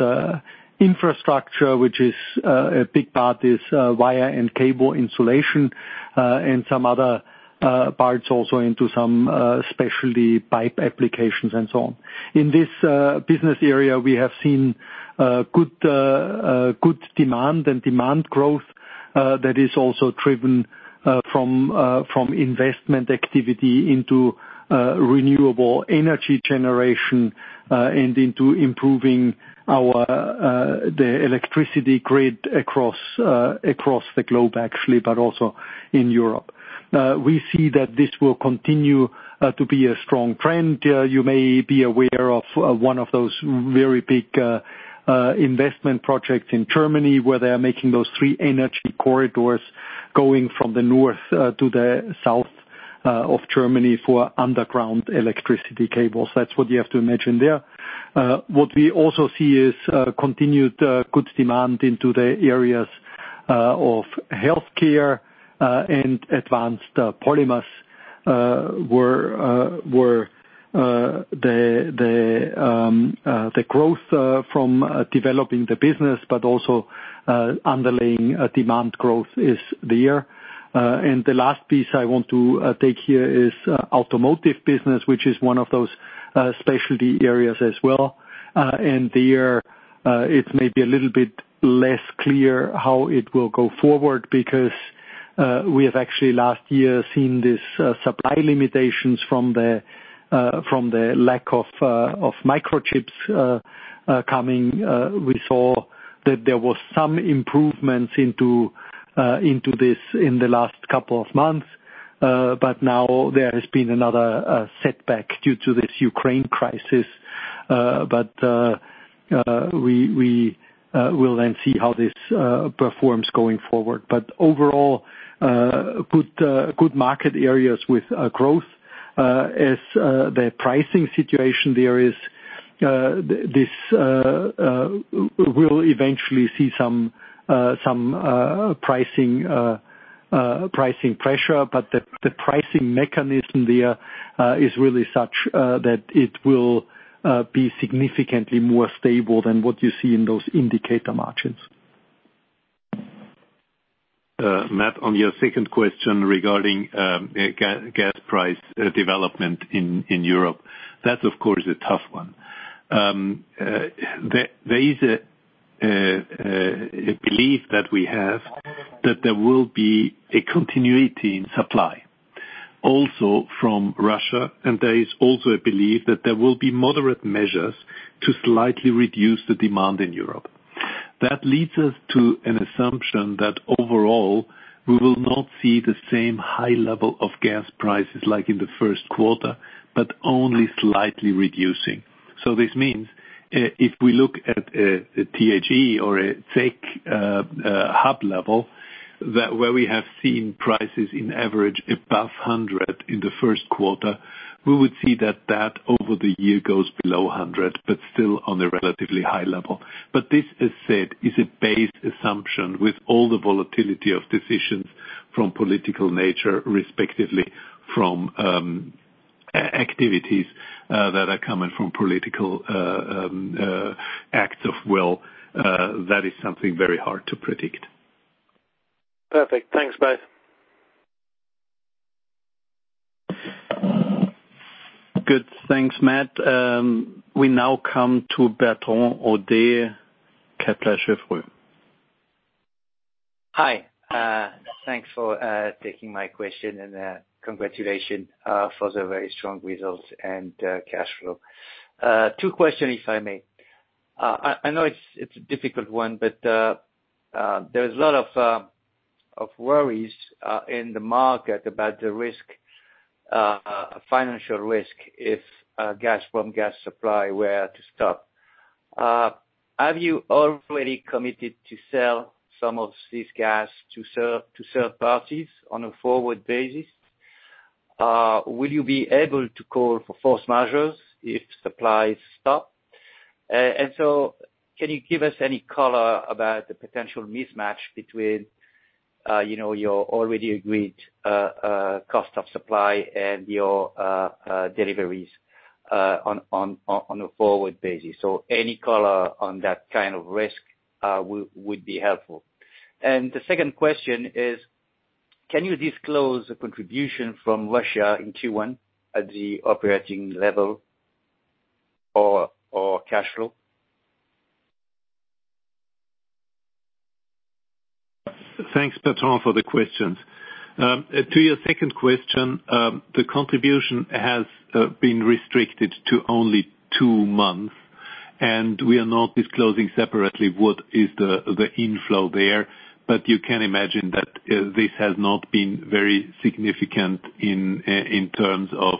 infrastructure, which is a big part is wire and cable insulation, and some other parts also into some specialty pipe applications and so on. In this business area, we have seen good demand and demand growth that is also driven from investment activity into renewable energy generation and into improving the electricity grid across the globe, actually, but also in Europe. We see that this will continue to be a strong trend. You may be aware of one of those very big investment projects in Germany, where they are making those three energy corridors going from the north to the south of Germany for underground electricity cables. That's what you have to imagine there. What we also see is continued good demand in the areas of healthcare and advanced polymers where the growth from developing the business, but also underlying demand growth is there. The last piece I want to take here is automotive business, which is one of those specialty areas as well. There it may be a little bit less clear how it will go forward because we have actually last year seen this supply limitations from the lack of microchips coming. We saw that there was some improvements in this in the last couple of months, but now there has been another setback due to this Ukraine crisis. We will then see how this performs going forward. Overall, good market areas with growth, as the pricing situation there is, we'll eventually see some pricing pressure. The pricing mechanism there is really such that it will be significantly more stable than what you see in those indicator margins. Matt, on your second question regarding gas price development in Europe, that's of course a tough one. There is a belief that we have that there will be a continuity in supply also from Russia, and there is also a belief that there will be moderate measures to slightly reduce the demand in Europe. That leads us to an assumption that overall, we will not see the same high level of gas prices like in the 1st quarter, but only slightly reducing. This means, if we look at the TTF or CEGH hub level, where we have seen prices on average above 100 in the 1st quarter, we would see that over the year goes below 100, but still on a relatively high level. This is said is a base assumption with all the volatility of decisions from political nature respectively from activities that are coming from political acts of will that is something very hard to predict. Perfect. Thanks both. Good, thanks Matt. We now come to Bertrand Hodée, Kepler Cheuvreux. Hi. Thanks for taking my question, and congratulations for the very strong results and cash flow. Two questions, if I may. I know it's a difficult one, but there is a lot of worries in the market about the financial risk if gas supply were to stop. Have you already committed to sell some of this gas to serve parties on a forward basis? Will you be able to call for force majeure if supplies stop? Can you give us any color about the potential mismatch between, you know, your already agreed cost of supply and your deliveries on a forward basis? Any color on that kind of risk would be helpful. The second question is, can you disclose the contribution from Russia in Q1 at the operating level or cash flow? Thanks, Bertrand, for the questions. To your second question, the contribution has been restricted to only two months, and we are not disclosing separately what is the inflow there. You can imagine that this has not been very significant in terms of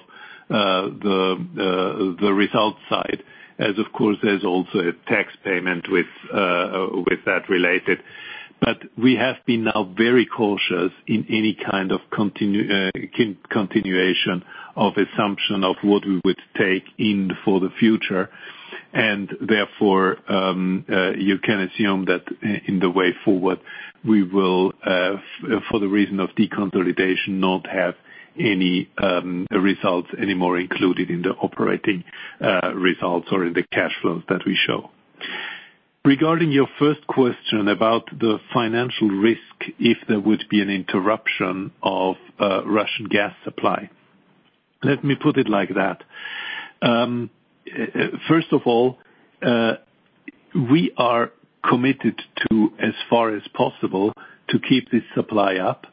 the results side, as of course there's also a tax payment with that related. We have been now very cautious in any kind of continuation of assumption of what we would take in for the future. Therefore, you can assume that in the way forward, we will, for the reason of deconsolidation, not have any results anymore included in the operating results or in the cash flows that we show. Regarding your first question about the financial risk, if there would be an interruption of Russian gas supply. Let me put it like that. First of all, we are committed to as far as possible to keep this supply up,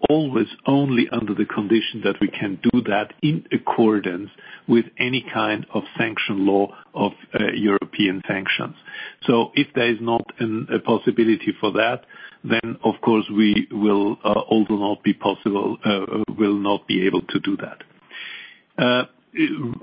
but always only under the condition that we can do that in accordance with any kind of sanction law of European sanctions. If there is not a possibility for that, then of course we will not be able to do that.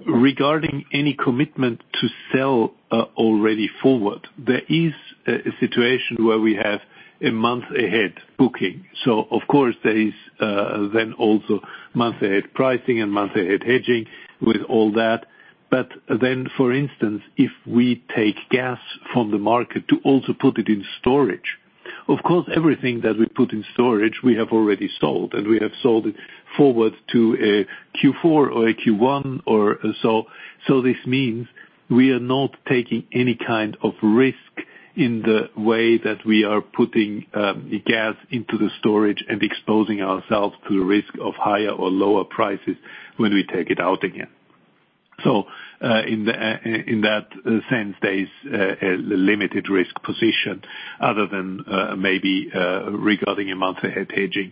Regarding any commitment to sell already forward, there is a situation where we have a month ahead booking. Of course there is then also month ahead pricing and month ahead hedging with all that. For instance, if we take gas from the market to also put it in storage, of course, everything that we put in storage, we have already sold, and we have sold it forward to a Q4 or a Q1 or so. This means we are not taking any kind of risk in the way that we are putting gas into the storage and exposing ourselves to the risk of higher or lower prices when we take it out again. In that sense, there is a limited risk position other than maybe regarding a month ahead hedging.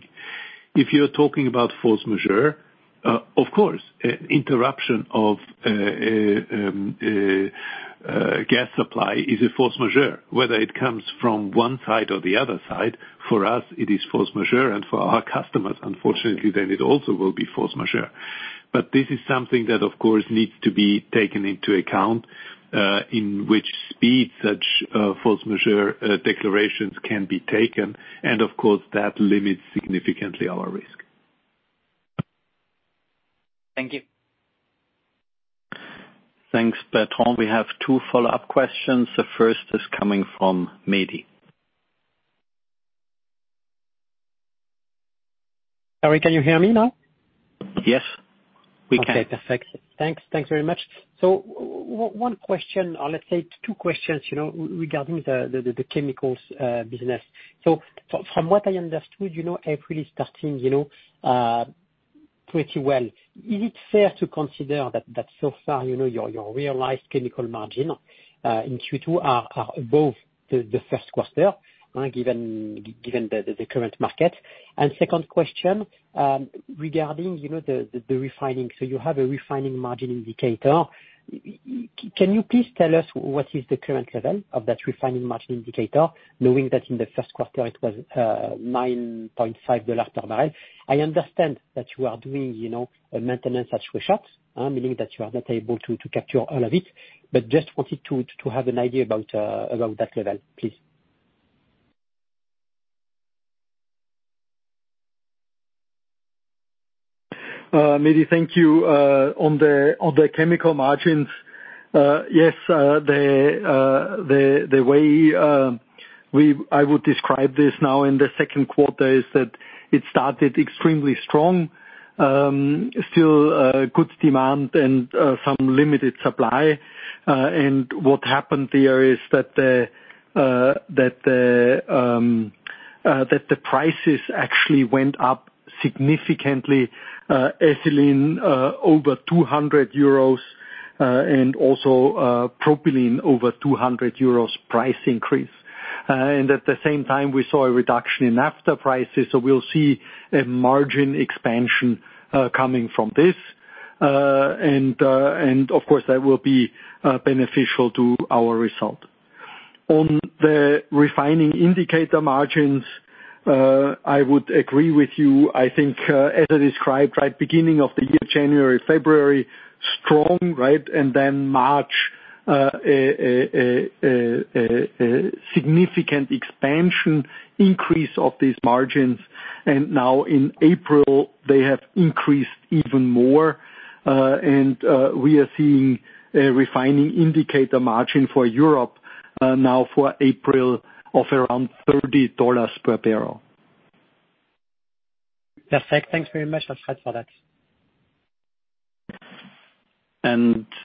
If you're talking about force majeure, of course, interruption of gas supply is a force majeure. Whether it comes from one side or the other side, for us, it is force majeure, and for our customers, unfortunately, then it also will be force majeure. This is something that, of course, needs to be taken into account, in which speed such force majeure declarations can be taken. Of course, that limits significantly our risk. Thank you. Thanks, Bertrand. We have two follow-up questions. The first is coming from Mehdi. Florian Greger, can you hear me now? Yes, we can. Okay, perfect. Thanks. Thanks very much. One question or let's say two questions, you know, regarding the chemicals business. From what I understood, you know, April is starting, you know, pretty well. Is it fair to consider that so far, you know, your realized chemical margin in Q2 are above the 1st quarter, given the current market? Second question, regarding, you know, the refining. You have a refining margin indicator. Can you please tell us what is the current level of that refining margin indicator, knowing that in the 1st quarter it was $9.5 per barrel? I understand that you are doing, you know, a maintenance at Schwechat, meaning that you are not able to capture all of it, but just wanted to have an idea about that level, please. Mehdi, thank you. On the chemical margins, yes, the way I would describe this now in the 2nd quarter is that it started extremely strong. Still, good demand and some limited supply. What happened there is that the prices actually went up significantly, ethylene over 200 euros, and also propylene over 200 euros price increase. At the same time we saw a reduction in naphtha prices, so we'll see a margin expansion coming from this. Of course that will be beneficial to our result. On the refining indicator margins, I would agree with you. I think, as I described, right, beginning of the year, January, February, strong, right? In March, a significant expansion increase of these margins. Now in April they have increased even more. We are seeing a refining indicator margin for Europe, now for April of around $30 per barrel. Perfect. Thanks very much, Alfred, for that.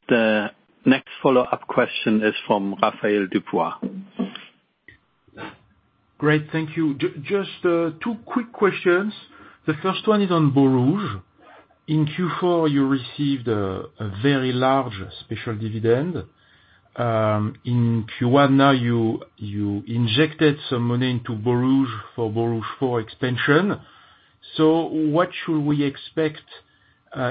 The next follow-up question is from Raphael DuBois. Great, thank you. Just two quick questions. The first one is on Borouge. In Q4 you received a very large special dividend. In Q1 now you injected some money into Borouge for Borouge 4 expansion. What should we expect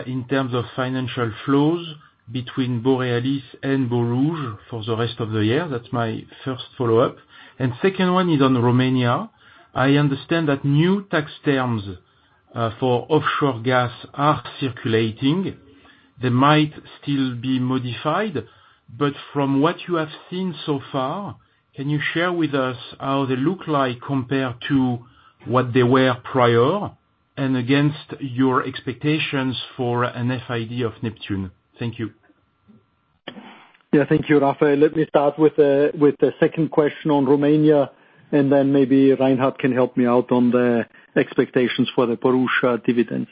in terms of financial flows between Borealis and Borouge for the rest of the year? That's my first follow-up. Second one is on Romania. I understand that new tax terms for offshore gas are circulating. They might still be modified, but from what you have seen so far, can you share with us how they look like compared to what they were prior, and against your expectations for an FID of Neptun Deep? Thank you. Yeah, thank you, Raphael. Let me start with the second question on Romania, and then maybe Reinhard Florey can help me out on the expectations for the Borouge dividends.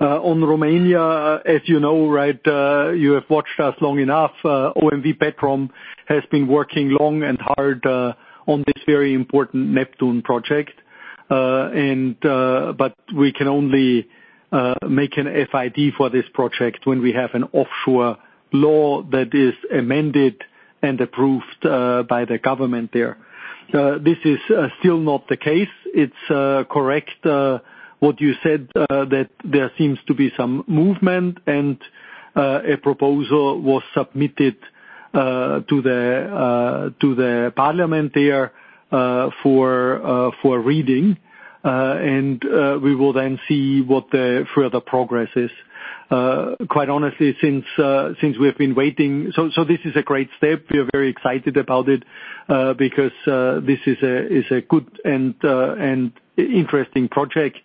On Romania, as you know, right, you have watched us long enough, OMV Petrom has been working long and hard on this very important Neptun Deep project. But we can only make an FID for this project when we have an offshore law that is amended and approved by the government there. This is still not the case. It's correct what you said that there seems to be some movement and a proposal was submitted to the parliament there for reading. We will then see what the further progress is. Quite honestly, since we have been waiting, this is a great step. We are very excited about it, because this is a good and interesting project,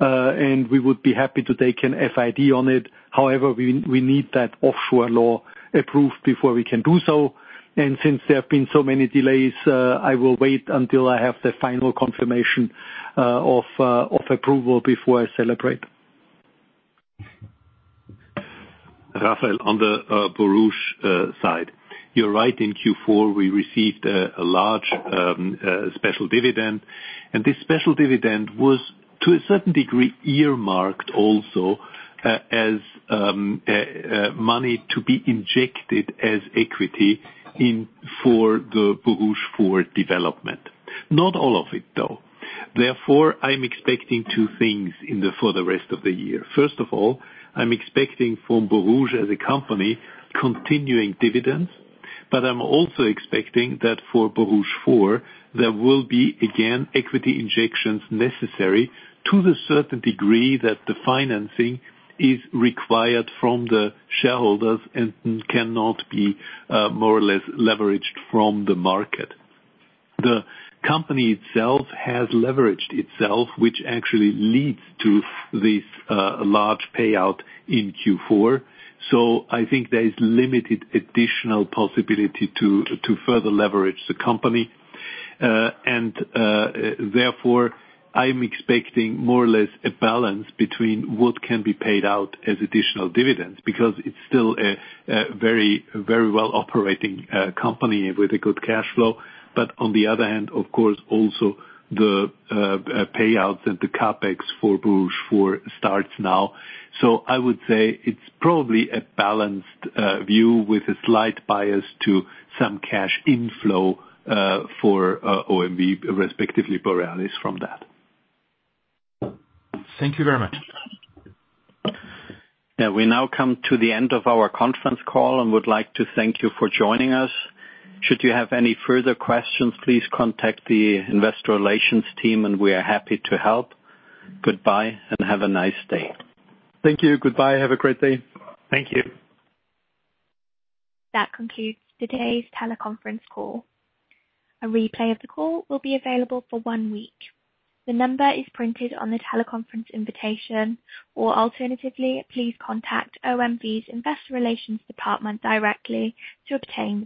and we would be happy to take an FID on it. However, we need that offshore law approved before we can do so. Since there have been so many delays, I will wait until I have the final confirmation of approval before I celebrate. Raphael, on the Borouge side, you're right. In Q4 we received a large special dividend, and this special dividend was, to a certain degree, earmarked also as a money to be injected as equity in for the Borouge 4 development. Not all of it, though. Therefore, I'm expecting two things for the rest of the year. First of all, I'm expecting from Borouge as a company continuing dividends, but I'm also expecting that for Borouge 4, there will be again equity injections necessary to the certain degree that the financing is required from the shareholders and cannot be more or less leveraged from the market. The company itself has leveraged itself, which actually leads to this large payout in Q4. I think there is limited additional possibility to further leverage the company. therefore I'm expecting more or less a balance between what can be paid out as additional dividends, because it's still a very, very well operating company with a good cash flow. On the other hand, of course, also the payouts and the CapEx for Borouge 4 starts now. I would say it's probably a balanced view with a slight bias to some cash inflow for OMV, respectively Borealis from that. Thank you very much. Yeah, we now come to the end of our conference call and would like to thank you for joining us. Should you have any further questions, please contact the investor relations team and we are happy to help. Goodbye and have a nice day. Thank you. Goodbye. Have a great day. Thank you. That concludes today's teleconference call. A replay of the call will be available for one week. The number is printed on the teleconference invitation, or alternatively, please contact OMV's Investor Relations Department directly to obtain this.